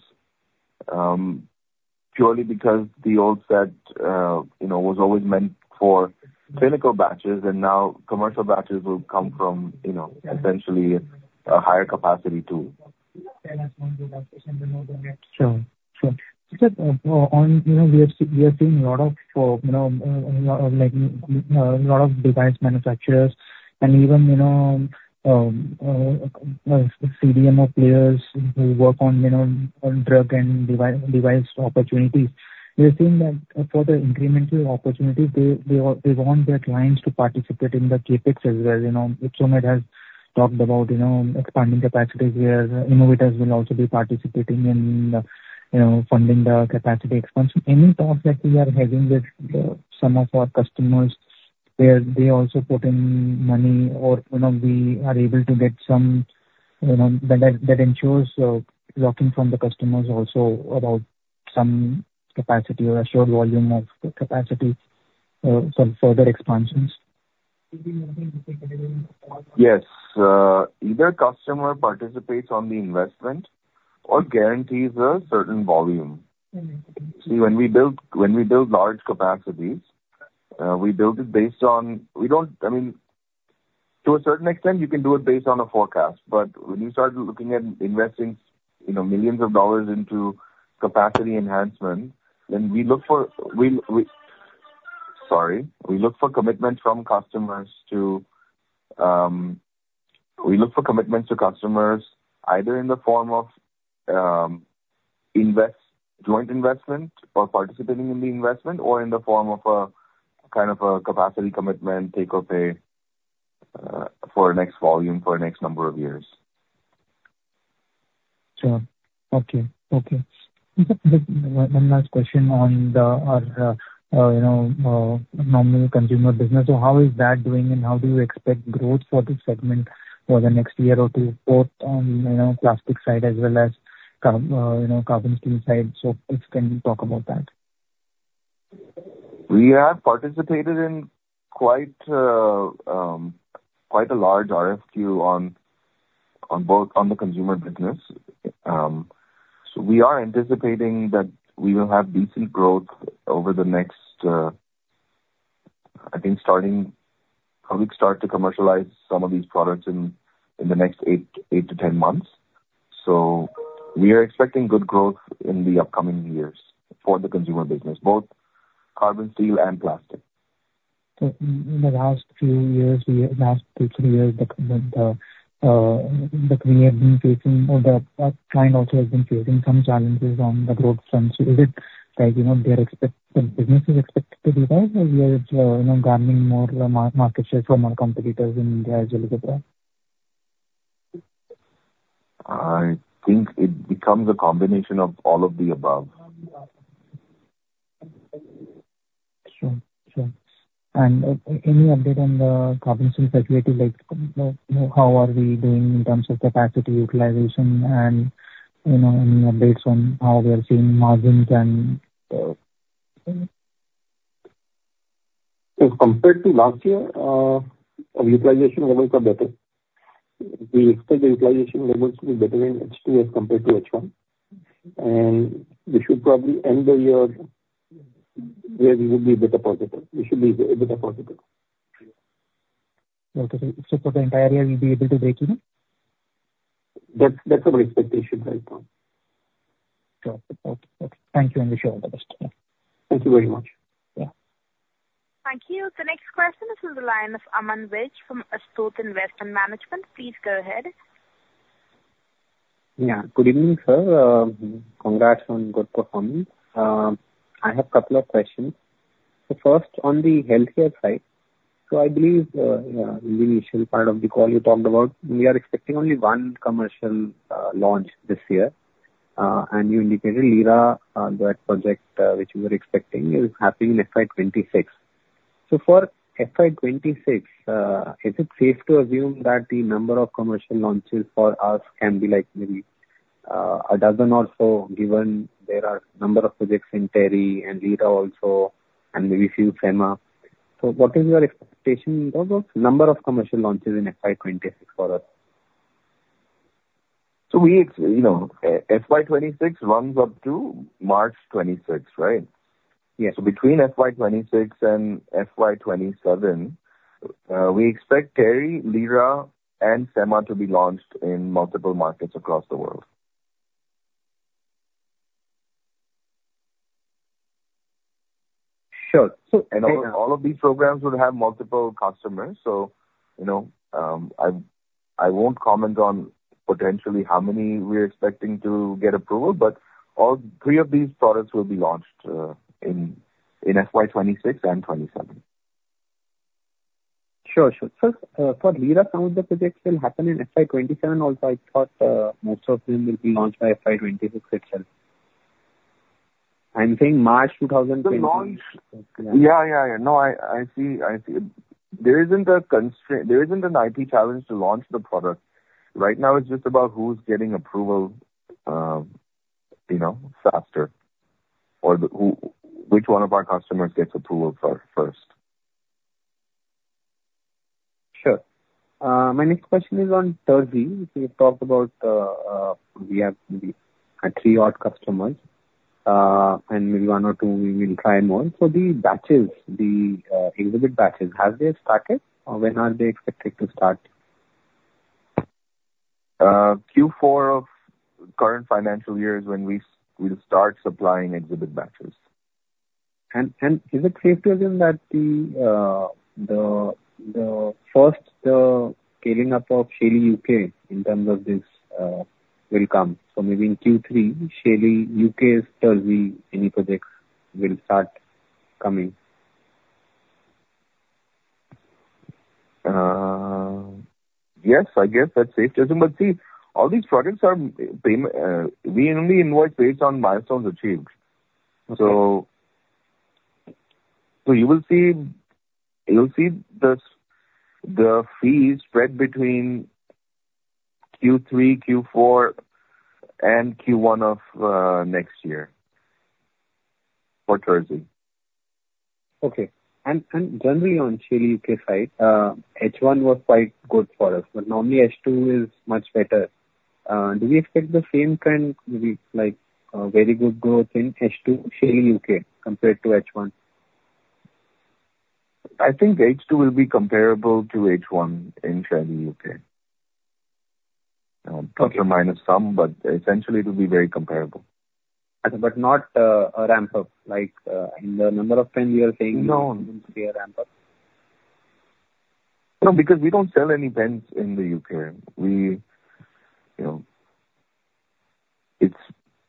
purely because the old set was always meant for clinical batches, and now commercial batches will come from essentially a higher capacity, too. Sure. Sir, we are seeing a lot of device manufacturers and even CDMO players who work on drug and device opportunities. We have seen that for the incremental opportunities, they want their clients to participate in the CapEx as well. Ypsomed has talked about expanding capacities where innovators will also be participating in funding the capacity expansion. Any thoughts that we are having with some of our customers, where they also put in money or we are able to get some that ensures locking from the customers also about some capacity or assured volume of capacity for further expansions? Yes. Either customer participates on the investment or guarantees a certain volume. See, when we build large capacities, we build it. To a certain extent, you can do it based on a forecast, when you start looking at investing INR millions into capacity enhancement, Sorry. We look for commitments to customers either in the form of joint investment or participating in the investment or in the form of a capacity commitment take or pay, for next volume, for next number of years. Sure. Okay. One last question on our normal consumer business. How is that doing, and how do you expect growth for this segment for the next year or two, both on plastic side as well as carbon steel side? Can you talk about that? We have participated in quite a large RFQ on the consumer business. We are anticipating that we will have decent growth over the next, I think, starting to commercialize some of these products in the next 8 to 10 months. We are expecting good growth in the upcoming years for the consumer business, both carbon steel and plastic. In the last three years, the client also has been facing some challenges on the growth front. Is it that their business is expected to revise, or we are garnering more market share from our competitors in India as well as abroad? I think it becomes a combination of all of the above. Sure. Any update on the carbon steel facility? Like how are we doing in terms of capacity utilization and any updates on how we are seeing margins and so on. Compared to last year, our utilization levels are better. We expect the utilization levels to be better in H2 as compared to H1, and we should probably end the year where we will be a bit positive. We should be a bit positive. Okay. For the entire year, we'll be able to break even? That's our expectation right now. Got it. Okay. Thank you and wish you all the best. Yeah. Thank you very much. Yeah. Thank you. The next question is from the line of Aman Vij from Astute Investment Management. Please go ahead. Yeah. Good evening, sir. Congrats on good performance. I have couple of questions. First, on the healthcare side. I believe in the initial part of the call you talked about you are expecting only one commercial launch this year. And you indicated Lira, that project which you were expecting is happening in FY 2026. For FY 2026, is it safe to assume that the number of commercial launches for us can be maybe a dozen or so, given there are number of projects in Terry and Lira also, and maybe few Fema. What is your expectation of those number of commercial launches in FY 2026 for us? We expect, FY 2026 runs up to March 2026, right? Yes. Between FY 2026 and FY 2027, we expect Terry, Lira, and Fema to be launched in multiple markets across the world. Sure. All of these programs would have multiple customers. I won't comment on potentially how many we are expecting to get approval, but all three of these products will be launched in FY 2026 and 2027. Sure. For Lira, some of the projects will happen in FY 2027 also. I thought most of them will be launched by FY 2026 itself. I'm saying March 2026. The launch. Yeah. No, I see. There isn't an IP challenge to launch the product. Right now it's just about who's getting approval faster or which one of our customers gets approval for it first. My next question is on Terzi, which we talked about. We have maybe three odd customers, and maybe one or two, we will try more. The batches, the exhibit batches, have they started or when are they expected to start? Q4 of current financial year is when we'll start supplying exhibit batches. Is it safe to assume that the first scaling up of Shaily UK in terms of this will come? Maybe in Q3, Shaily UK's Terzi, any projects will start coming. Yes, I guess that's safe to assume. See, all these products are we only invoice based on milestones achieved. Okay. You will see the fee spread between Q3, Q4, and Q1 of next year for tirzepatide. Okay. Generally on Shaily UK side, H1 was quite good for us, but normally H2 is much better. Do we expect the same trend, maybe like a very good growth in H2 Shaily UK compared to H1? I think H2 will be comparable to H1 in Shaily UK. Plus or minus some, but essentially it'll be very comparable. Not a ramp-up like in the number of pen we are saying. No it wouldn't be a ramp-up. No, because we don't sell any pens in the U.K. It's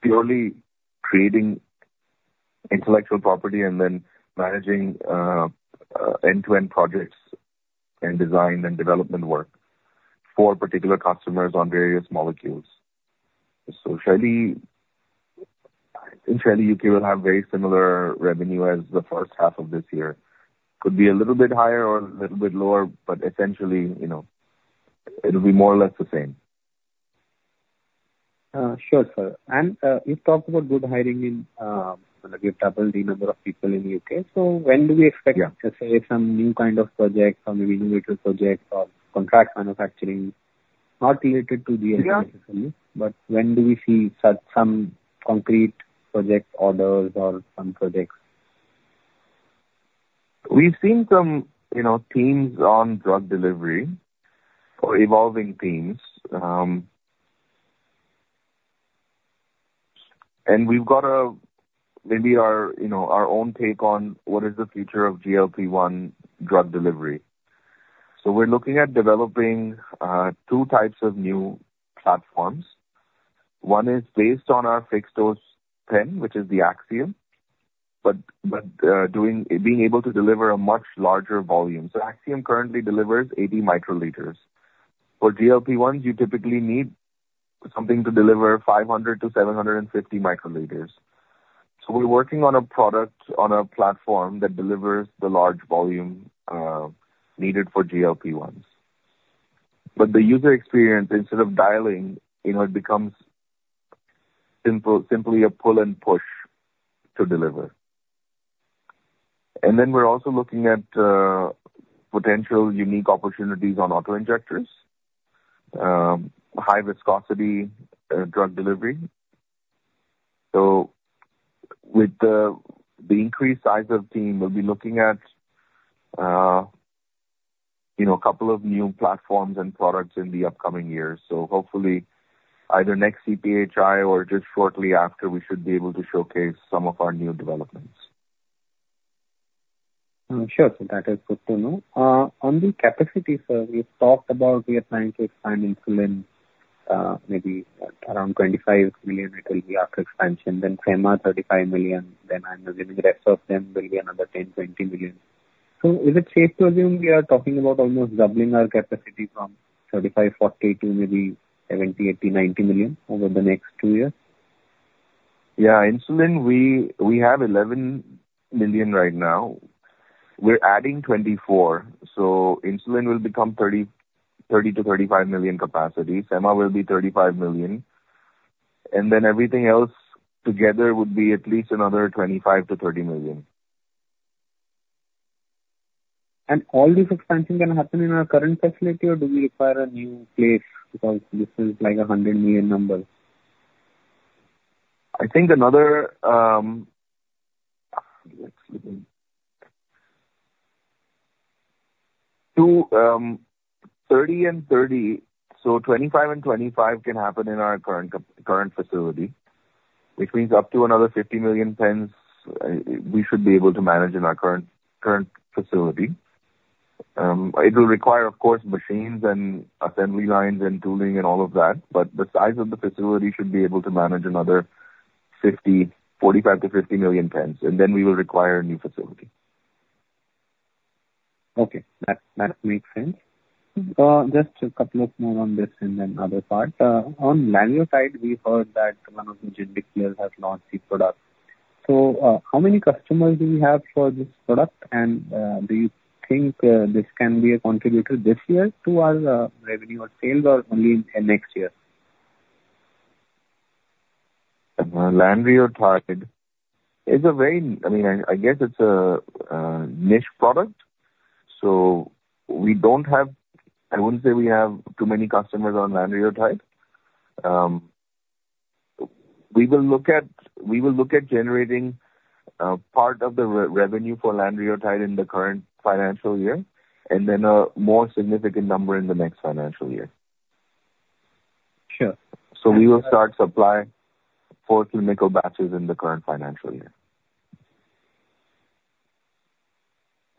purely creating intellectual property and then managing end-to-end projects and design and development work for particular customers on various molecules. Shaily U.K. will have very similar revenue as the first half of this year. Could be a little bit higher or a little bit lower, but essentially, it'll be more or less the same. Sure, sir. You talked about good hiring in, like you've doubled the number of people in the U.K. When do we expect- Yeah let's say some new kind of project or maybe innovative project or contract manufacturing, not related to GLP necessarily- Yeah When do we see some concrete project orders or some projects? We've seen some themes on drug delivery or evolving themes. We've got maybe our own take on what is the future of GLP-1 drug delivery. We're looking at developing 2 types of new platforms. One is based on our fixed-dose pen, which is the Axiom, but being able to deliver a much larger volume. Axiom currently delivers 80 microliters. For GLP-1s, you typically need something to deliver 500-750 microliters. We're working on a product on a platform that delivers the large volume needed for GLP-1s. The user experience, instead of dialing, it becomes simply a pull and push to deliver. We're also looking at potential unique opportunities on auto-injectors, high viscosity drug delivery. With the increased size of team, we'll be looking at a couple of new platforms and products in the upcoming years. Hopefully either next CPHI or just shortly after, we should be able to showcase some of our new developments. Sure. That is good to know. On the capacity, sir, we've talked about we are trying to expand insulin, maybe around 25 million it will be after expansion, semaglutide 35 million, I'm assuming the rest of them will be another 10 million, 20 million. Is it safe to assume we are talking about almost doubling our capacity from 35 million-40 million to maybe 70 million-90 million over the next two years? Yeah. Insulin, we have 11 million right now. We're adding 24 million. Insulin will become 30 million-35 million capacity. SEMA will be 35 million. Everything else together would be at least another 25 million-30 million. All this expansion can happen in our current facility or do we require a new place because this is like 100 million numbers? Let's see. 30 and 30. 25 and 25 can happen in our current facility, which means up to another 50 million pens, we should be able to manage in our current facility. It will require, of course, machines and assembly lines and tooling and all of that, but the size of the facility should be able to manage another 45 million-50 million pens, we will require a new facility. Okay. That makes sense. Just a couple of more on this and then other part. On lanreotide, we heard that one of the generic players has launched the product. How many customers do we have for this product? Do you think this can be a contributor this year to our revenue or sales or only next year? Lanreotide, I guess it's a niche product. I wouldn't say we have too many customers on lanreotide. We will look at generating part of the revenue for lanreotide in the current financial year, then a more significant number in the next financial year. Sure. We will start supply for clinical batches in the current financial year.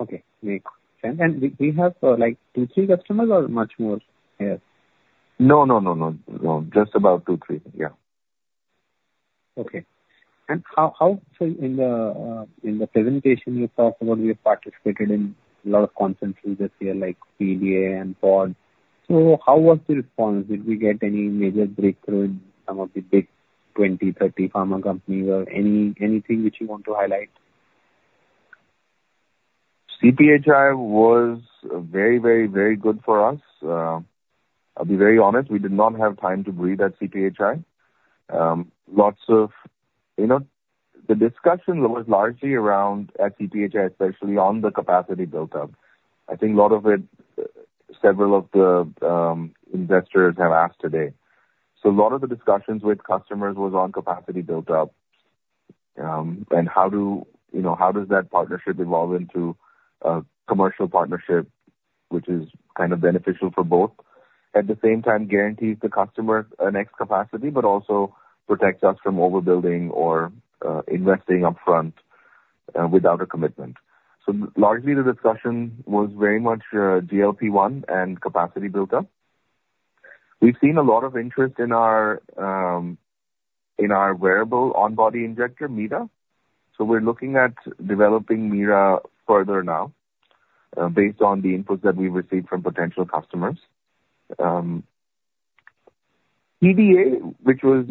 Okay. Makes sense. We have two, three customers or much more here? No, just about two, three. Yeah. In the presentation you talked about we have participated in a lot of conferences this year, like PDA and PODD. How was the response? Did we get any major breakthrough in some of the big 20, 30 pharma companies or anything which you want to highlight? CPhI was very good for us. I will be very honest, we did not have time to breathe at CPhI. The discussion was largely around, at CPhI especially, on the capacity buildup. I think several of the investors have asked today. A lot of the discussions with customers was on capacity buildup, and how does that partnership evolve into a commercial partnership which is kind of beneficial for both, at the same time guarantees the customer an X capacity, but also protects us from overbuilding or investing upfront without a commitment. Largely, the discussion was very much GLP-1 and capacity buildup. We have seen a lot of interest in our wearable on-body injector, Mira. We are looking at developing Mira further now based on the inputs that we have received from potential customers. PDA, which is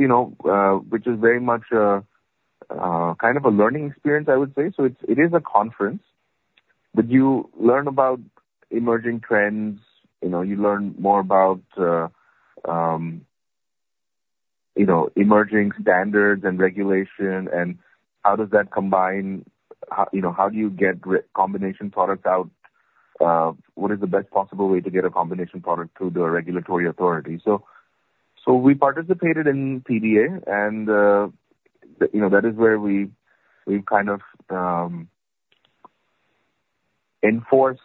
very much a kind of a learning experience, I would say. It is a conference, but you learn about emerging trends, you learn more about emerging standards and regulation and how do you get combination products out, what is the best possible way to get a combination product through the regulatory authority. We participated in PDA and that is where we kind of enforced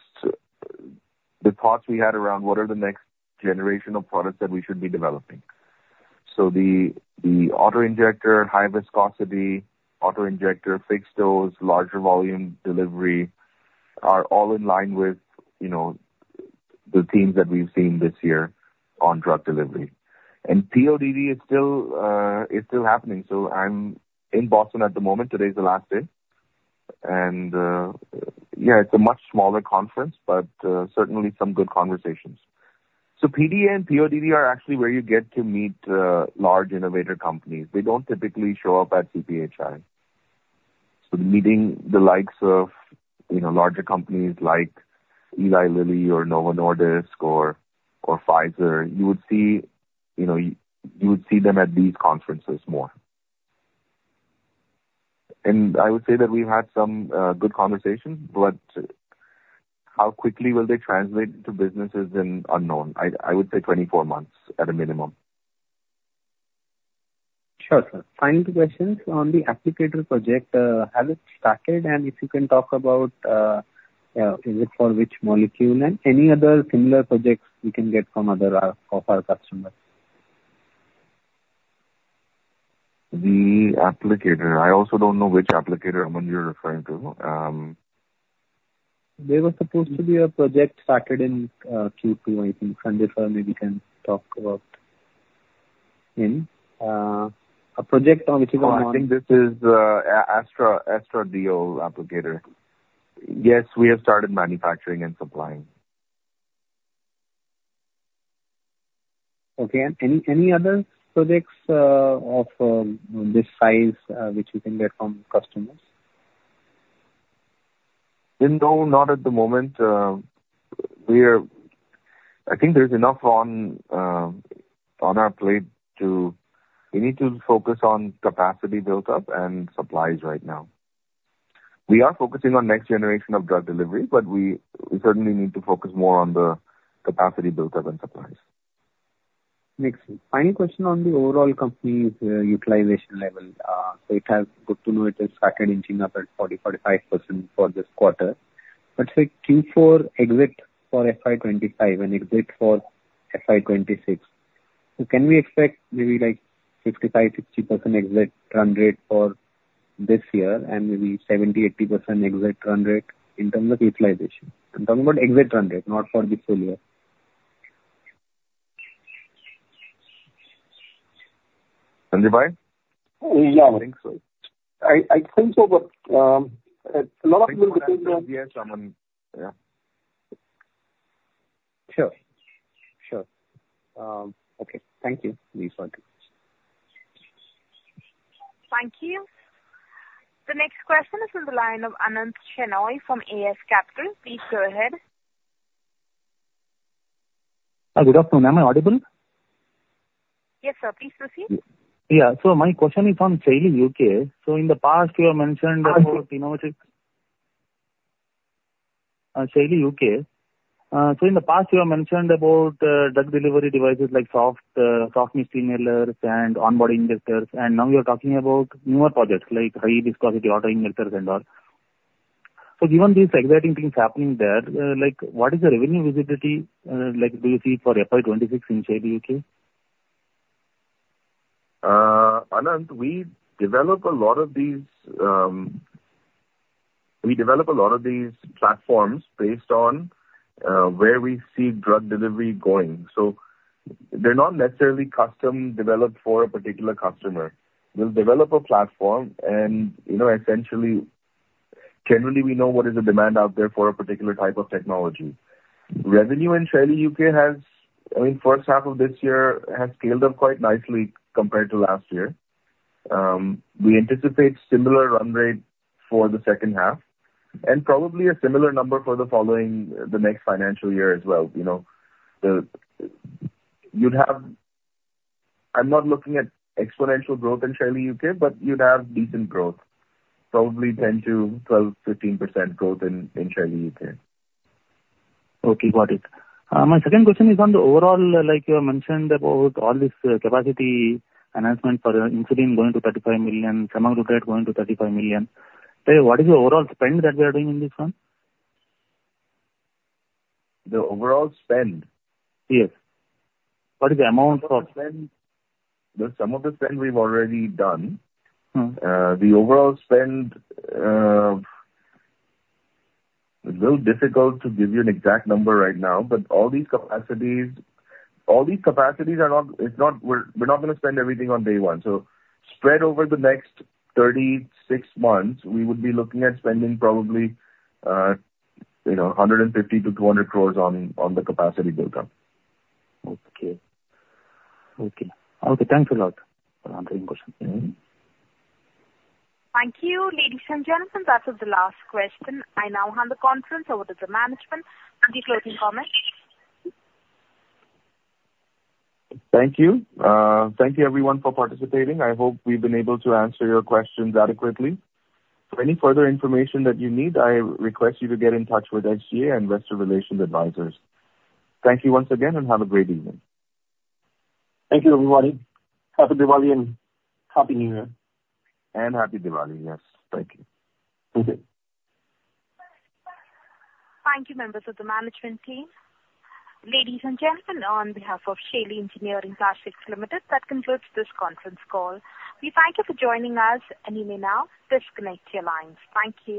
the thoughts we had around what are the next generational products that we should be developing. The auto-injector, high viscosity auto-injector, fixed dose, larger volume delivery are all in line with the themes that we have seen this year on drug delivery. PODD is still happening. I am in Boston at the moment. Today is the last day. Yeah, it is a much smaller conference, but certainly some good conversations. PDA and PODD are actually where you get to meet large innovator companies. They do not typically show up at CPhI. Meeting the likes of larger companies like Eli Lilly or Novo Nordisk or Pfizer, you would see them at these conferences more. I would say that we have had some good conversations, but how quickly will they translate to business is unknown. I would say 24 months at a minimum. Sure, sir. Final two questions. On the applicator project, has it started? If you can talk about, is it for which molecule and any other similar projects you can get from other of our customers. The applicator. I also don't know which applicator, Aman, you're referring to. There was supposed to be a project started in Q2, I think. Sandeep maybe can talk about it. Oh, I think this is Astra Dio applicator. Yes, we have started manufacturing and supplying. Okay. Any other projects of this size which you can get from customers? No, not at the moment. I think there's enough on our plate. We need to focus on capacity build-up and supplies right now. We are focusing on next generation of drug delivery, but we certainly need to focus more on the capacity build-up and supplies. Next. Final question on the overall company's utilization level. It has, good to know it has started inching up at 40, 45% for this quarter. Say Q4 exit for FY 2025 and exit for FY 2026, so can we expect maybe 55, 60% exit run rate for this year and maybe 70, 80% exit run rate in terms of utilization? I'm talking about exit run rate, not for this full year. Sandeep? Yeah. I think so. I think so. Yes, Aman. Yeah. Sure. Okay. Thank you. These are my questions. Thank you. The next question is on the line of Anant Shenoy from AS Capital. Please go ahead. Good afternoon. Am I audible? Yes, sir. Please proceed. My question is on Shaily UK. In the past you have mentioned about drug delivery devices like soft mist inhalers and on-body injectors, and now you are talking about newer projects like high viscosity auto-injectors and all. Given these exciting things happening there, what is the revenue visibility do you see for FY 2026 in Shaily UK? Anant, we develop a lot of these platforms based on where we see drug delivery going. They are not necessarily custom developed for a particular customer. We will develop a platform and essentially, generally we know what is the demand out there for a particular type of technology. Revenue in Shaily UK has, first half of this year, has scaled up quite nicely compared to last year. We anticipate similar run rate for the second half and probably a similar number for the next financial year as well. I am not looking at exponential growth in Shaily UK, but you would have decent growth, probably 10%-12%, 15% growth in Shaily UK. Okay, got it. My second question is on the overall, like you have mentioned about all this capacity enhancement for insulin going to 35 million, semaglutide going to 35 million. What is the overall spend that we are doing in this one? The overall spend? Yes. Some of the spend we've already done. The overall spend, it's a little difficult to give you an exact number right now, but all these capacities, we're not going to spend everything on day one. Spread over the next 36 months, we would be looking at spending probably 150-200 crores on the capacity build-up. Okay. Thanks a lot for answering the question. Thank you. Ladies and gentlemen, that was the last question. I now hand the conference over to the management for any closing comments. Thank you. Thank you everyone for participating. I hope we've been able to answer your questions adequately. For any further information that you need, I request you to get in touch with SGA and Investor Relations advisors. Thank you once again and have a great evening. Thank you everybody. Happy Diwali and Happy New Year. Happy Diwali. Yes. Thank you. Thank you. Thank you, members of the management team. Ladies and gentlemen, on behalf of Shaily Engineering Plastics Limited, that concludes this conference call. We thank you for joining us and you may now disconnect your lines. Thank you.